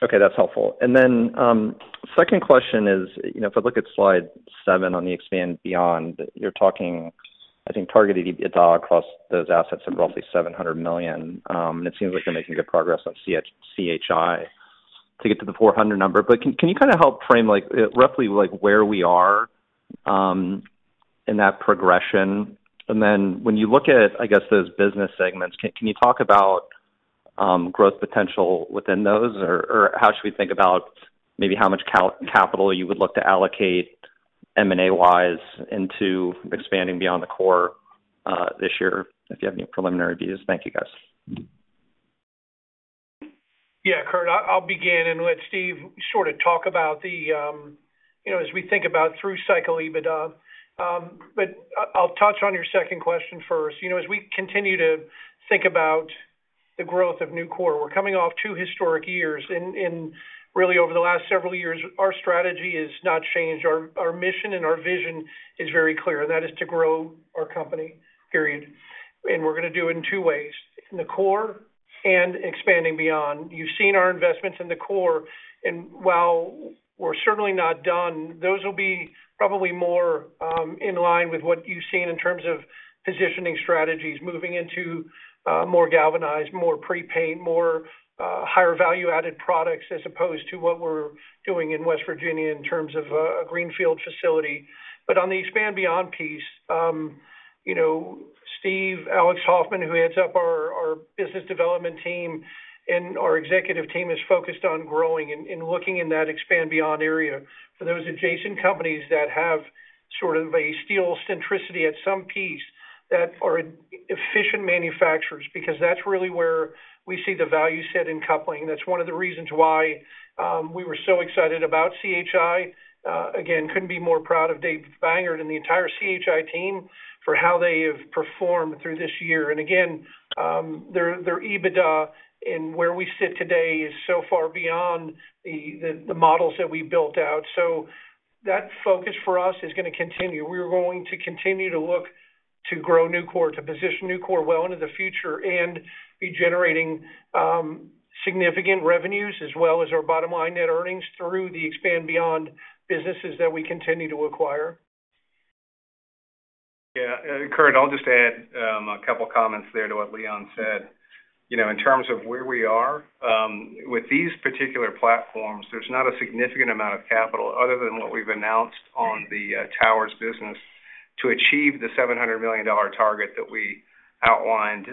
Okay, that's helpful. Second question is, you know, if I look at slide seven on the expand beyond, you're talking, I think, targeted EBITDA across those assets of roughly $700 million. It seems like you're making good progress on C.H.I. to get to the 400 number. Can you kinda help frame, like, roughly, where we are in that progression? When you look at, I guess, those business segments, can you talk about growth potential within those? Or how should we think about maybe how much capital you would look to allocate M&A-wise into expanding beyond the core this year, if you have any preliminary views? Thank you, guys. Yeah, Curt. I'll begin and let Steve sort of talk about the, you know, as we think about through cycle EBITDA. I'll touch on your second question first. You know, as we continue to think about the growth of Nucor, we're coming off two historic years. Really over the last several years, our strategy has not changed. Our mission and our vision is very clear, and that is to grow our company, period. We're gonna do it in two ways, in the core and expanding beyond. You've seen our investments in the core. While we're certainly not done, those will be probably more in line with what you've seen in terms of positioning strategies, moving into more galvanized, more prepaint, more higher value-added products, as opposed to what we're doing in West Virginia in terms of a greenfield facility. On the expand beyond piece, you know, Steve, Alex Hoffman, who heads up our business development team and our executive team, is focused on growing and looking in that expand beyond area for those adjacent companies that have sort of a steel centricity at some piece that are efficient manufacturers, because that's really where we see the value set in coupling. That's one of the reasons why we were so excited about CHI. Again, couldn't be more proud of Dave Bangert and the entire C.H.I. team for how they have performed through this year. Again, their EBITDA and where we sit today is so far beyond the models that we built out. That focus for us is gonna continue. We are going to continue to look to grow Nucor, to position Nucor well into the future and be generating significant revenues as well as our bottom line net earnings through the expand beyond businesses that we continue to acquire. Curt, I'll just add a couple comments there to what Leon said. You know, in terms of where we are with these particular platforms, there's not a significant amount of capital other than what we've announced on the towers business to achieve the $700 million target that we outlined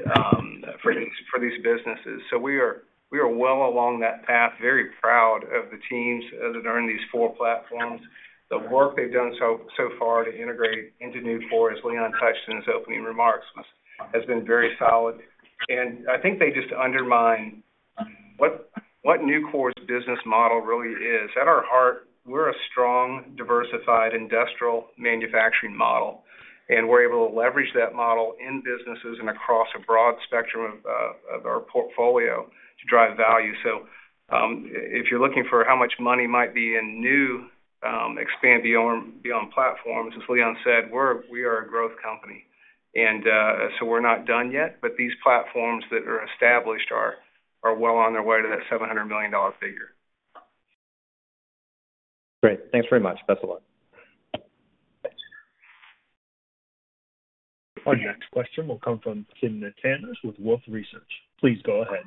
for these businesses. We are well along that path. Very proud of the teams that are in these four platforms. The work they've done so far to integrate into Nucor, as Leon touched in his opening remarks, has been very solid. I think they just undermine what Nucor's business model really is. At our heart, we're a strong, diversified industrial manufacturing model. We're able to leverage that model in businesses and across a broad spectrum of our portfolio to drive value. If you're looking for how much money might be in new, expand beyond platforms, as Leon said, we are a growth company. We're not done yet, but these platforms that are established are well on their way to that $700 million figure. Great. Thanks very much. Best of Luck. Thanks. Our next question will come from Timna Tanners with Wolfe Research. Please go ahead.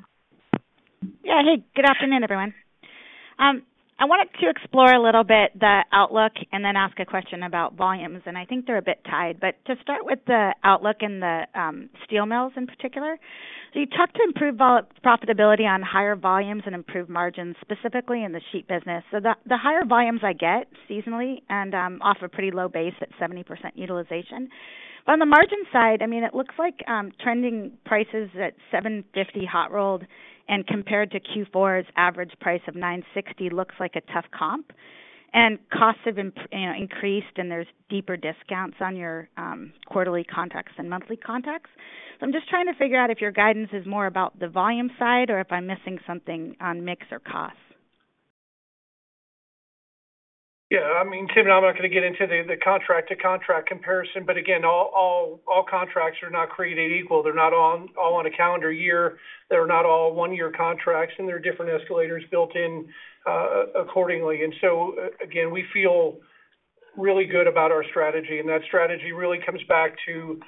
Yeah. Hey, good afternoon, everyone. I wanted to explore a little bit the outlook and then ask a question about volumes, I think they're a bit tied. To start with the outlook in the Steel Mills in particular, you talked to improved profitability on higher volumes and improved margins, specifically in the sheet business. The higher volumes I get seasonally and off a pretty low base at 70% utilization. On the margin side, I mean, it looks like trending prices at $750 hot rolled and compared to Q4's average price of $960 looks like a tough comp. Costs have, you know, increased, and there's deeper discounts on your quarterly contracts and monthly contracts. I'm just trying to figure out if your guidance is more about the volume side or if I'm missing something on mix or cost. Yeah, I mean, Timna, I'm not gonna get into the contract to contract comparison, but again, all contracts are not created equal. They're not all on a calendar year. They're not all one-year contracts, and there are different escalators built in accordingly. Again, we feel really good about our strategy, and that strategy really comes back to,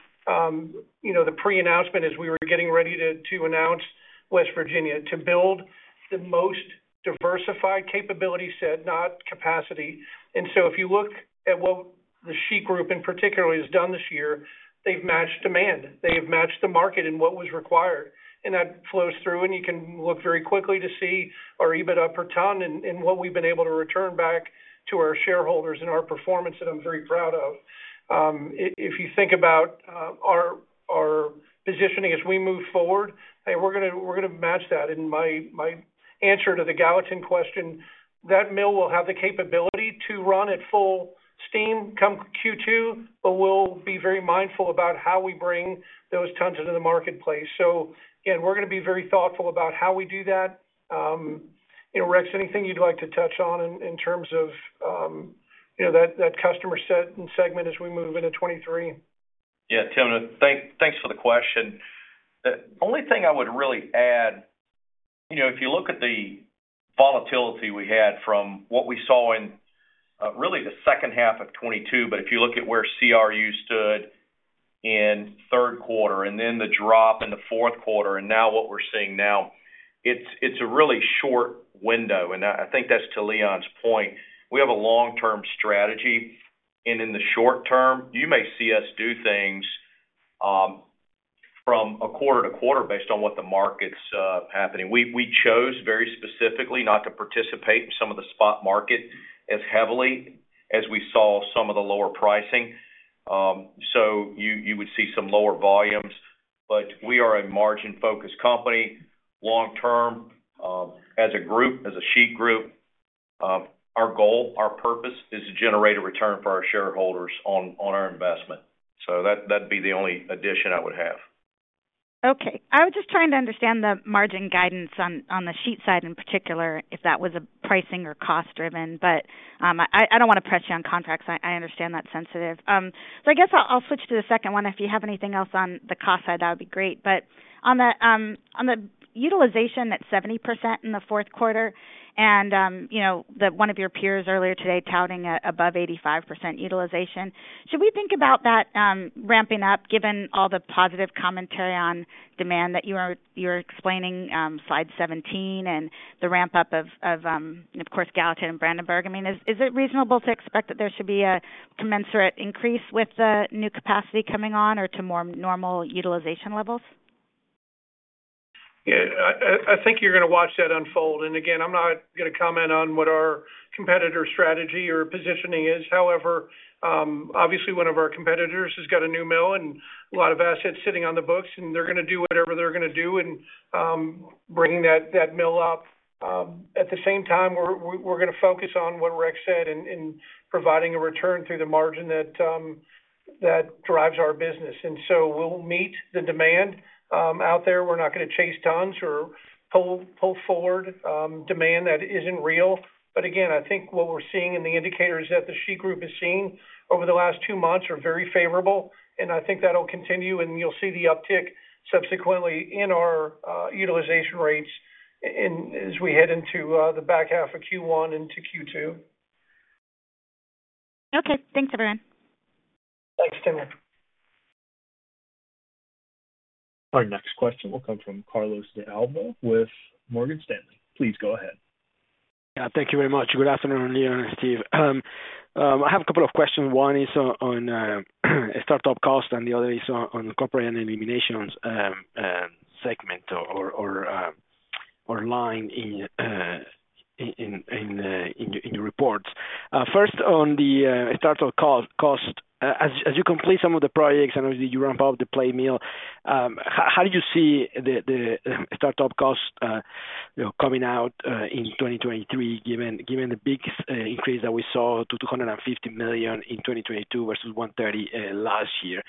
you know, the pre-announcement as we were getting ready to announce West Virginia to build the most diversified capability set, not capacity. If you look at what the Sheet Group in particular has done this year, they've matched demand. They have matched the market and what was required. That flows through, and you can look very quickly to see our EBITDA per ton and what we've been able to return back to our shareholders and our performance that I'm very proud of. If you think about our positioning as we move forward, hey, we're gonna match that. In my answer to the Gallatin question, that mill will have the capability to run at full steam come Q2, but we'll be very mindful about how we bring those tons into the marketplace. Again, we're gonna be very thoughtful about how we do that. You know, Rex, anything you'd like to touch on in terms of, you know, that customer set and segment as we move into 2023? Yeah. Tim, thanks for the question. The only thing I would really add, you know, if you look at the volatility we had from what we saw in, really the second half of 2022, but if you look at where CRU stood in third quarter and then the drop in the fourth quarter and now what we're seeing now, it's a really short window. I think that's to Leon's point. We have a long-term strategy. In the short term, you may see us do things from a quarter to quarter based on what the market's happening. We chose very specifically not to participate in some of the spot market as heavily as we saw some of the lower pricing. You would see some lower volumes. We are a margin-focused company long term. As a group, as a Sheet Group, our goal, our purpose is to generate a return for our shareholders on our investment. That'd be the only addition I would have. Okay. I was just trying to understand the margin guidance on the Sheet side in particular, if that was a pricing or cost-driven. I don't wanna press you on contracts. I understand that's sensitive. I guess I'll switch to the second one. If you have anything else on the cost side, that would be great. On the utilization at 70% in the fourth quarter and, you know, one of your peers earlier today touting above 85% utilization, should we think about that ramping up given all the positive commentary on demand that you're explaining slide 17 and the ramp-up of course, Gallatin and Brandenburg. I mean, is it reasonable to expect that there should be a commensurate increase with the new capacity coming on or to more normal utilization levels? Yeah. I think you're gonna watch that unfold. Again, I'm not gonna comment on what our competitor strategy or positioning is. However, obviously, one of our competitors has got a new mill and a lot of assets sitting on the books, and they're gonna do whatever they're gonna do in bringing that mill up. At the same time, we're gonna focus on what Rex said in providing a return through the margin that drives our business. So we'll meet the demand out there. We're not gonna chase tons or pull forward demand that isn't real. Again, I think what we're seeing and the indicators that the Sheet Group is seeing over the last two months are very favorable, and I think that'll continue, and you'll see the uptick subsequently in our utilization rates as we head into the back half of Q1 into Q2. Okay. Thanks, everyone. Thanks, Timna. Our next question will come from Carlos de Alba with Morgan Stanley. Please go ahead. Yeah. Thank you very much. Good afternoon, Leon and Steve. I have a couple of questions. One is on a startup cost and the other is on Corporate and Eliminations segment or line in your reports. First on the startup cost. As you complete some of the projects and as you ramp up the plate mill, how do you see the startup cost, you know, coming out in 2023, given the big increase that we saw to $250 million in 2022 versus $130 last year.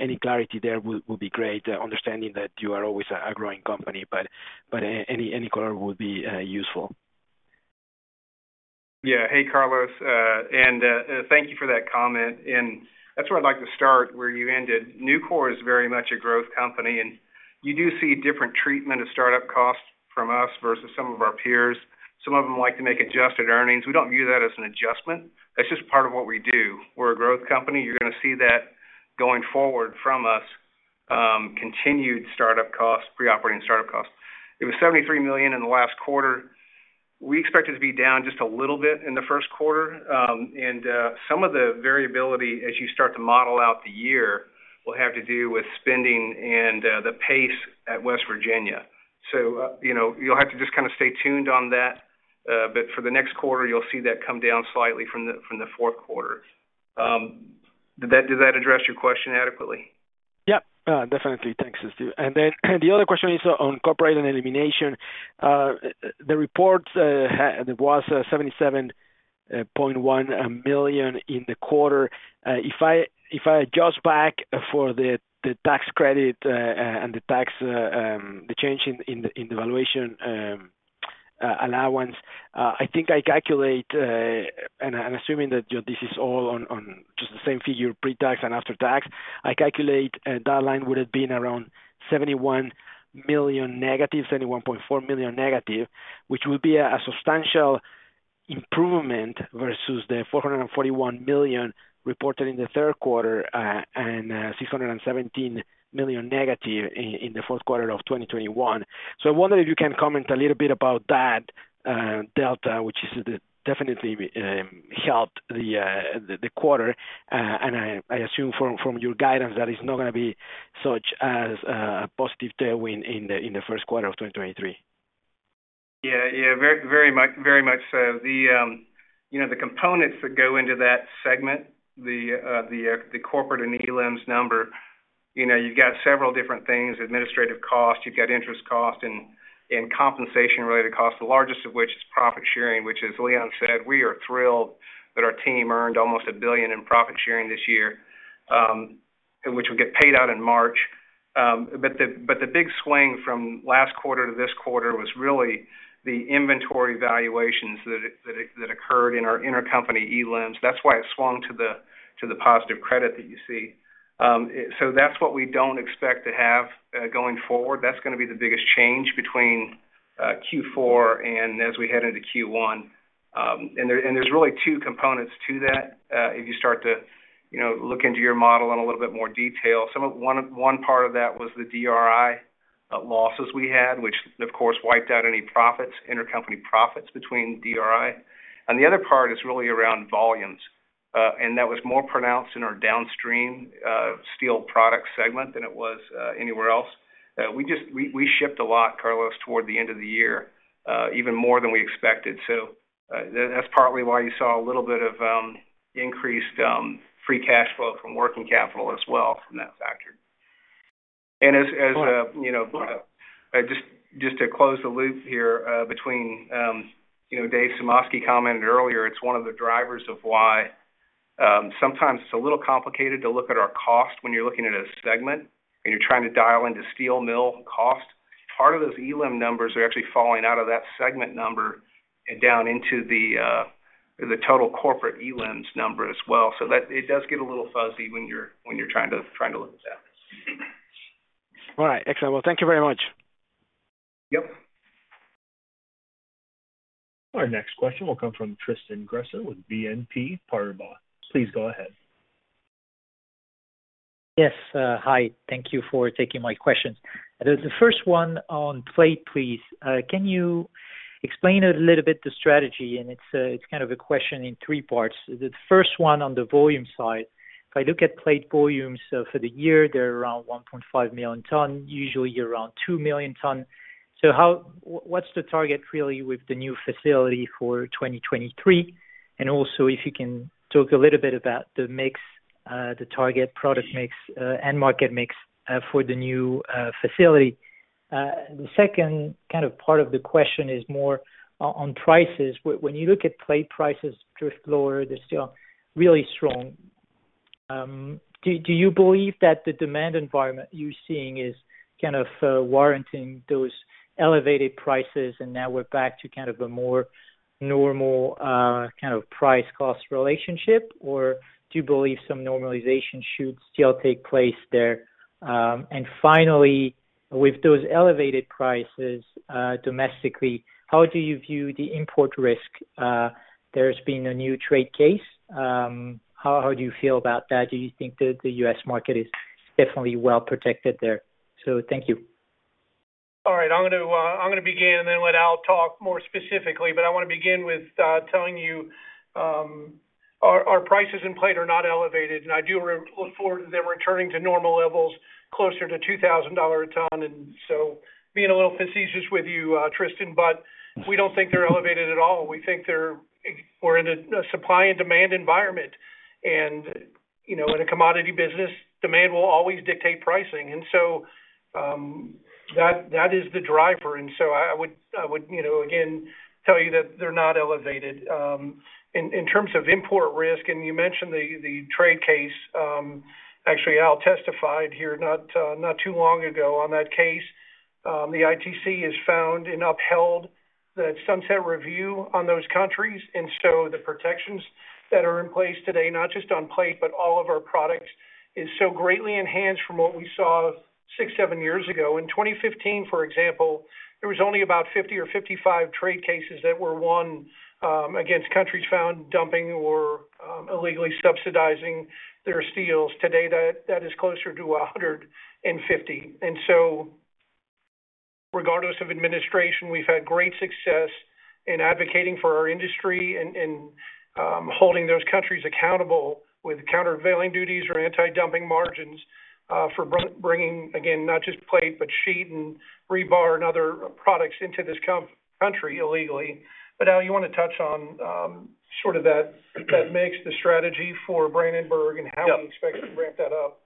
Any clarity there will be great, understanding that you are always a growing company, but any color would be useful. Hey, Carlos. Thank you for that comment. That's where I'd like to start, where you ended. Nucor is very much a growth company, and you do see different treatment of startup costs from us versus some of our peers. Some of them like to make adjusted earnings. We don't view that as an adjustment. That's just part of what we do. We're a growth company. You're gonna see that going forward from us, continued startup costs, pre-operating startup costs. It was $73 million in the last quarter. We expect it to be down just a little bit in the first quarter. Some of the variability as you start to model out the year will have to do with spending and the pace at West Virginia. You know, you'll have to just kind of stay tuned on that. For the next quarter, you'll see that come down slightly from the, from the fourth quarter. Did that address your question adequately? Yeah, definitely. Thanks, Steve. The other question is on Corporate and Elimination. The reports, it was $77.1 million in the quarter. If I adjust back for the tax credit and the tax the change in the valuation allowance, I think I calculate, and I'm assuming that this is all on just the same figure pre-tax and after tax. I calculate that line would have been around $71 million negative, $71.4 million negative, which would be a substantial improvement versus the $441 million reported in the third quarter and $617 million negative in the fourth quarter of 2021. I wonder if you can comment a little bit about that delta, which is definitely helped the quarter. I assume from your guidance that it's not gonna be such a positive tailwind in the first quarter of 2023. Yeah. Yeah. Very much, very much so. The, you know, the components that go into that segment, the Corporate and Elims number, you know, you've got several different things, administrative costs, you've got interest costs and compensation-related costs, the largest of which is profit sharing, which as Leon said, we are thrilled that our team earned almost $1 billion in profit sharing this year, which will get paid out in March. The big swing from last quarter to this quarter was really the inventory valuations that occurred in our intercompany Elims. That's why it swung to the positive credit that you see. That's what we don't expect to have going forward. That's gonna be the biggest change between Q4 and as we head into Q1. There's really two components to that. If you start to, you know, look into your model in a little bit more detail. One part of that was the DRI losses we had, which of course wiped out any profits, intercompany profits between DRI. The other part is really around volumes. That was more pronounced in our downstream steel product segment than it was anywhere else. We shipped a lot, Carlos, toward the end of the year, even more than we expected. That's partly why you saw a little bit of increased free cash flow from working capital as well from that factor. As, you know, just to close the loop here, between, you know, Dave Sumoski commented earlier, it's one of the drivers of why, sometimes it's a little complicated to look at our cost when you're looking at a segment and you're trying to dial into steel mill cost. Part of those Elims numbers are actually falling out of that segment number and down into the total Corporate Elims number as well. That it does get a little fuzzy when you're trying to look at that. All right. Excellent. Well, thank you very much. Yep. Our next question will come from Tristan Gresser with BNP Paribas. Please go ahead. Yes. Hi. Thank you for taking my questions. The first one on plate, please. Can you explain a little bit the strategy? It's kind of a question in three parts. The first one on the volume side. If I look at plate volumes, so for the year, they're around $1.5 million ton, usually you're around $2 million ton. What's the target really with the new facility for 2023? Also if you can talk a little bit about the mix, the target product mix, and market mix, for the new facility. The second kind of part of the question is more on prices. When you look at plate prices drift lower, they're still really strong. Do you believe that the demand environment you're seeing is kind of warranting those elevated prices and now we're back to kind of a more normal, kind of price cost relationship? Or do you believe some normalization should still take place there? Finally, with those elevated prices, domestically, how do you view the import risk? There's been a new trade case. How do you feel about that? Do you think the U.S. market is definitely well protected there? Thank you. All right. I'm gonna begin and then let Al talk more specifically. I wanna begin with telling you our prices in plate are not elevated, and I do look forward to them returning to normal levels closer to $2,000 a ton. Being a little facetious with you, Tristan, we don't think they're elevated at all. We think we're in a supply and demand environment. You know, in a commodity business, demand will always dictate pricing. That is the driver. I would, you know, again, tell you that they're not elevated. In terms of import risk, and you mentioned the trade case. Actually, Al testified here not too long ago on that case. The ITC is found and upheld the sunset review on those countries. The protections that are in place today, not just on plate, but all of our products, is so greatly enhanced from what we saw six, seven years ago. In 2015, for example, there was only about 50 or 55 trade cases that were won against countries found dumping or illegally subsidizing their steels. Today, that is closer to 150%. Regardless of administration, we've had great success in advocating for our industry and holding those countries accountable with countervailing duties or anti-dumping margins for bringing, again, not just plate, but sheet and rebar and other products into this country illegally. Al, you wanna touch on sort of that mix, the strategy for Brandenburg and how we expect to ramp that up.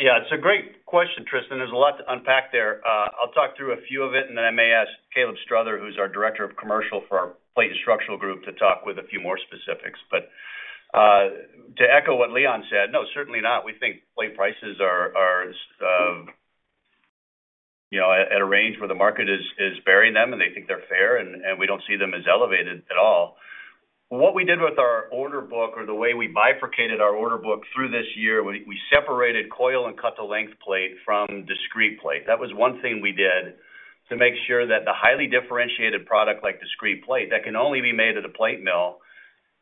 Yeah. It's a great question, Tristan. There's a lot to unpack there. I'll talk through a few of it, and then I may ask Caleb Strother, who's our Director of Commercial for our Plate and Structural Group to talk with a few more specifics. To echo what Leon said, no, certainly not. We think plate prices are, you know, at a range where the market is bearing them and they think they're fair, and we don't see them as elevated at all. What we did with our order book or the way we bifurcated our order book through this year, we separated coil and cut-to-length plate from discrete plate. That was one thing we did to make sure that the highly differentiated product like discrete plate that can only be made at a plate mill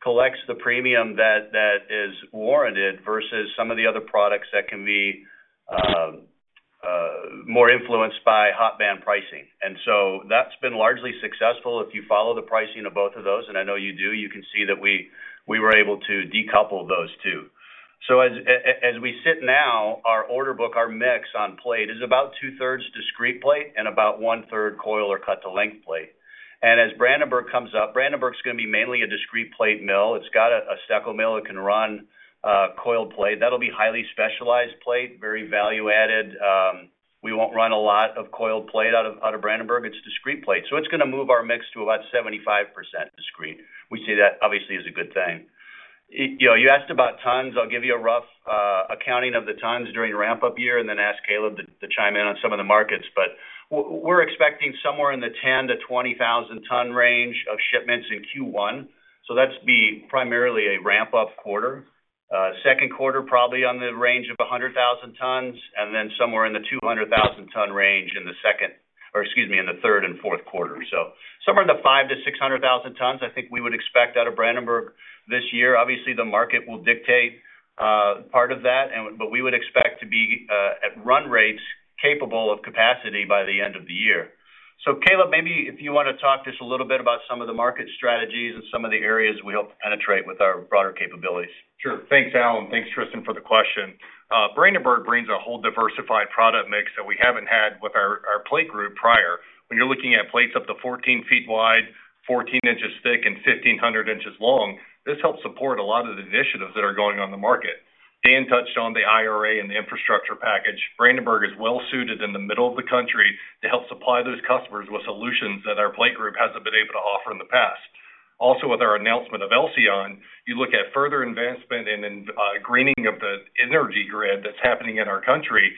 collects the premium that is warranted versus some of the other products that can be more influenced by hot band pricing. That's been largely successful. If you follow the pricing of both of those, and I know you do, you can see that we were able to decouple those two. As we sit now, our order book, our mix on plate is about 2/3 discrete plate and about 1/3 coil or cut-to-length plate. As Brandenburg comes up, Brandenburg is gonna be mainly a discrete plate mill. It's got a stack mill that can run coiled plate. That'll be highly specialized plate, very value-added. We won't run a lot of coiled plate out of, out of Brandenburg. It's discrete plate. It's gonna move our mix to about 75% discrete. We see that obviously as a good thing. You know, you asked about tons. I'll give you a rough accounting of the tons during ramp-up year and then ask Kaleb to chime in on some of the markets. We're expecting somewhere in the 10,000-20,000 ton range of shipments in Q1. That's be primarily a ramp-up quarter. Second quarter, probably on the range of 100,000 tons, and then somewhere in the 200,000 ton range or excuse me, in the third and fourth quarter. Somewhere in the 500,000-600,000 tons, I think we would expect out of Brandenburg this year. The market will dictate part of that, but we would expect to be at run rates capable of capacity by the end of the year. Caleb, maybe if you wanna talk just a little bit about some of the market strategies and some of the areas we hope to penetrate with our broader capabilities. Sure. Thanks, Al. Thanks, Tristan, for the question. Brandenburg brings a whole diversified product mix that we haven't had with our plate group prior. When you're looking at plates up to 14 feet wide, 14 inches thick and 1,500 inches long, this helps support a lot of the initiatives that are going on the market. Dan touched on the IRA and the infrastructure package. Brandenburg is well-suited in the middle of the country to help supply those customers with solutions that our plate group hasn't been able to offer in the past. Also, with our announcement of Elcyon, you look at further investment and greening of the energy grid that's happening in our country.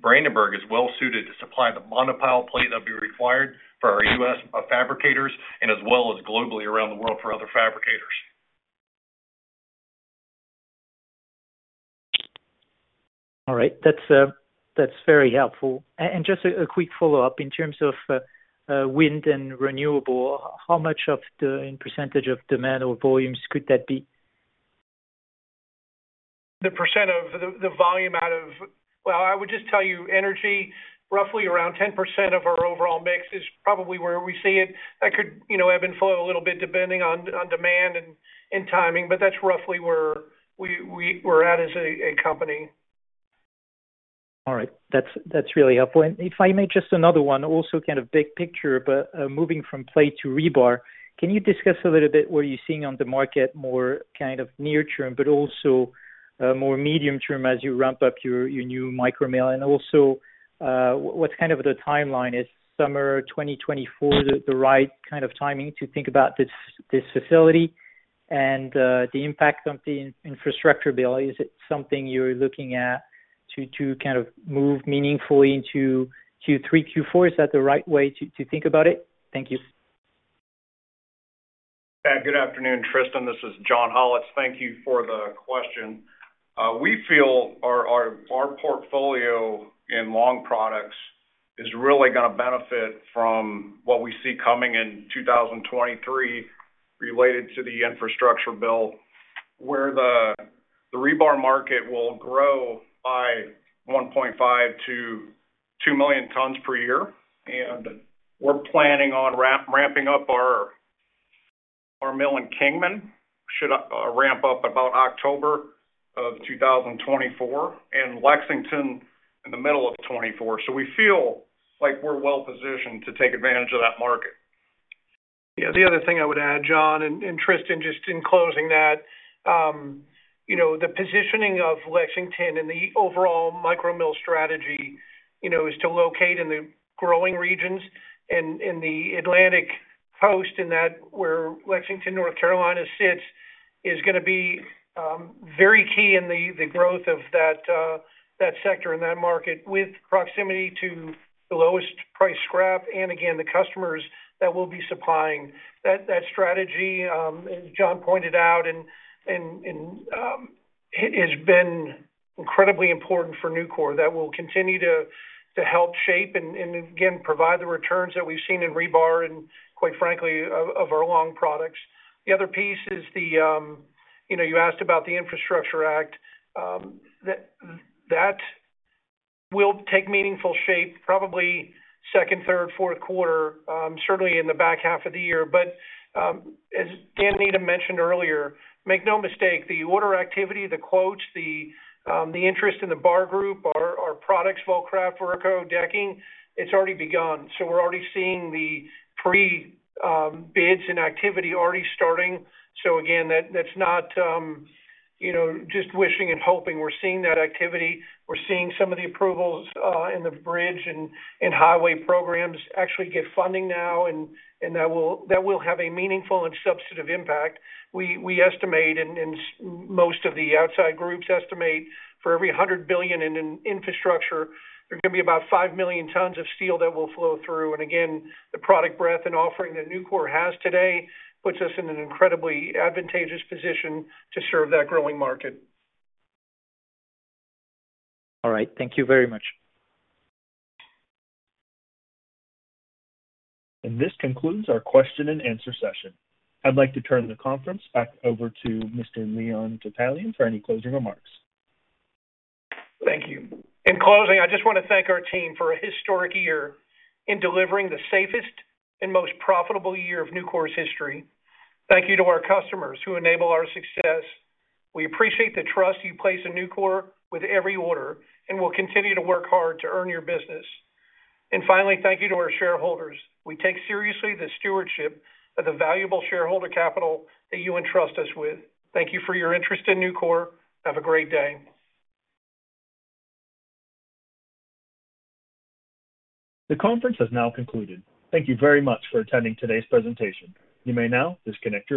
Brandenburg is well-suited to supply the monopile plate that'll be required for our U.S. fabricators and as well as globally around the world for other fabricators? All right. That's, that's very helpful. Just a quick follow-up in terms of wind and renewable, how much of the in % of demand or volumes could that be? The percent of the volume out of. Well, I would just tell you, energy, roughly around 10% of our overall mix is probably where we see it. That could, you know, ebb and flow a little bit depending on demand and timing, but that's roughly where we're at as a company. All right. That's really helpful. If I may, just another one, also kind of big picture, but moving from plate to rebar, can you discuss a little bit what you're seeing on the market, more kind of near term, but also more medium term as you ramp up your new micromill? Also, what's kind of the timeline? Is summer 2024 the right kind of timing to think about this facility? The impact on the Infrastructure bill, is it something you're looking at to kind of move meaningfully into Q3, Q4? Is that the right way to think about it? Thank you. Good afternoon, Tristan Gresser. This is John Hollatz. Thank you for the question. We feel our portfolio in long products is really gonna benefit from what we see coming in 2023 related to the infrastructure bill, where the rebar market will grow by 1.5 million-2 million tons per year. We're planning on ramping up our mill in Kingman. Should ramp up about October of 2024, and Lexington in the middle of 2024. We feel like we're well-positioned to take advantage of that market. Yeah. The other thing I would add, John, and Tristan, just in closing that, you know, the positioning of Lexington and the overall micromill strategy, you know, is to locate in the growing regions and in the Atlantic Coast in that where Lexington, North Carolina sits is gonna be very key in the growth of that sector and that market with proximity to the lowest price scrap and again, the customers that we'll be supplying. That strategy, as John pointed out and, it has been incredibly important for Nucor. That will continue to help shape and again, provide the returns that we've seen in rebar and quite frankly, of our long products. The other piece is the, you know, you asked about the Infrastructure Act. That will take meaningful shape probably second, third, fourth quarter, certainly in the back half of the year. As Dan Needham mentioned earlier, make no mistake, the order activity, the quotes, the interest in the bar group, our products, Vulcraft, Verco, decking, it's already begun. We're already seeing the pre bids and activity already starting. Again, that's not, you know, just wishing and hoping. We're seeing that activity. We're seeing some of the approvals in the bridge and highway programs actually get funding now, and that will have a meaningful and substantive impact. We estimate and most of the outside groups estimate for every $100 billion in infrastructure, there's gonna be about 5 million tons of steel that will flow through. Again, the product breadth and offering that Nucor has today puts us in an incredibly advantageous position to serve that growing market. All right. Thank you very much. This concludes our question and answer session. I'd like to turn the conference back over to Mr. Leon Topalian for any closing remarks. Thank you. In closing, I just wanna thank our team for a historic year in delivering the safest and most profitable year of Nucor's history. Thank you to our customers who enable our success. We appreciate the trust you place in Nucor with every order, and we'll continue to work hard to earn your business. Finally, thank you to our shareholders. We take seriously the stewardship of the valuable shareholder capital that you entrust us with. Thank you for your interest in Nucor. Have a great day. The conference has now concluded. Thank you very much for attending today's presentation. You may now disconnect your lines.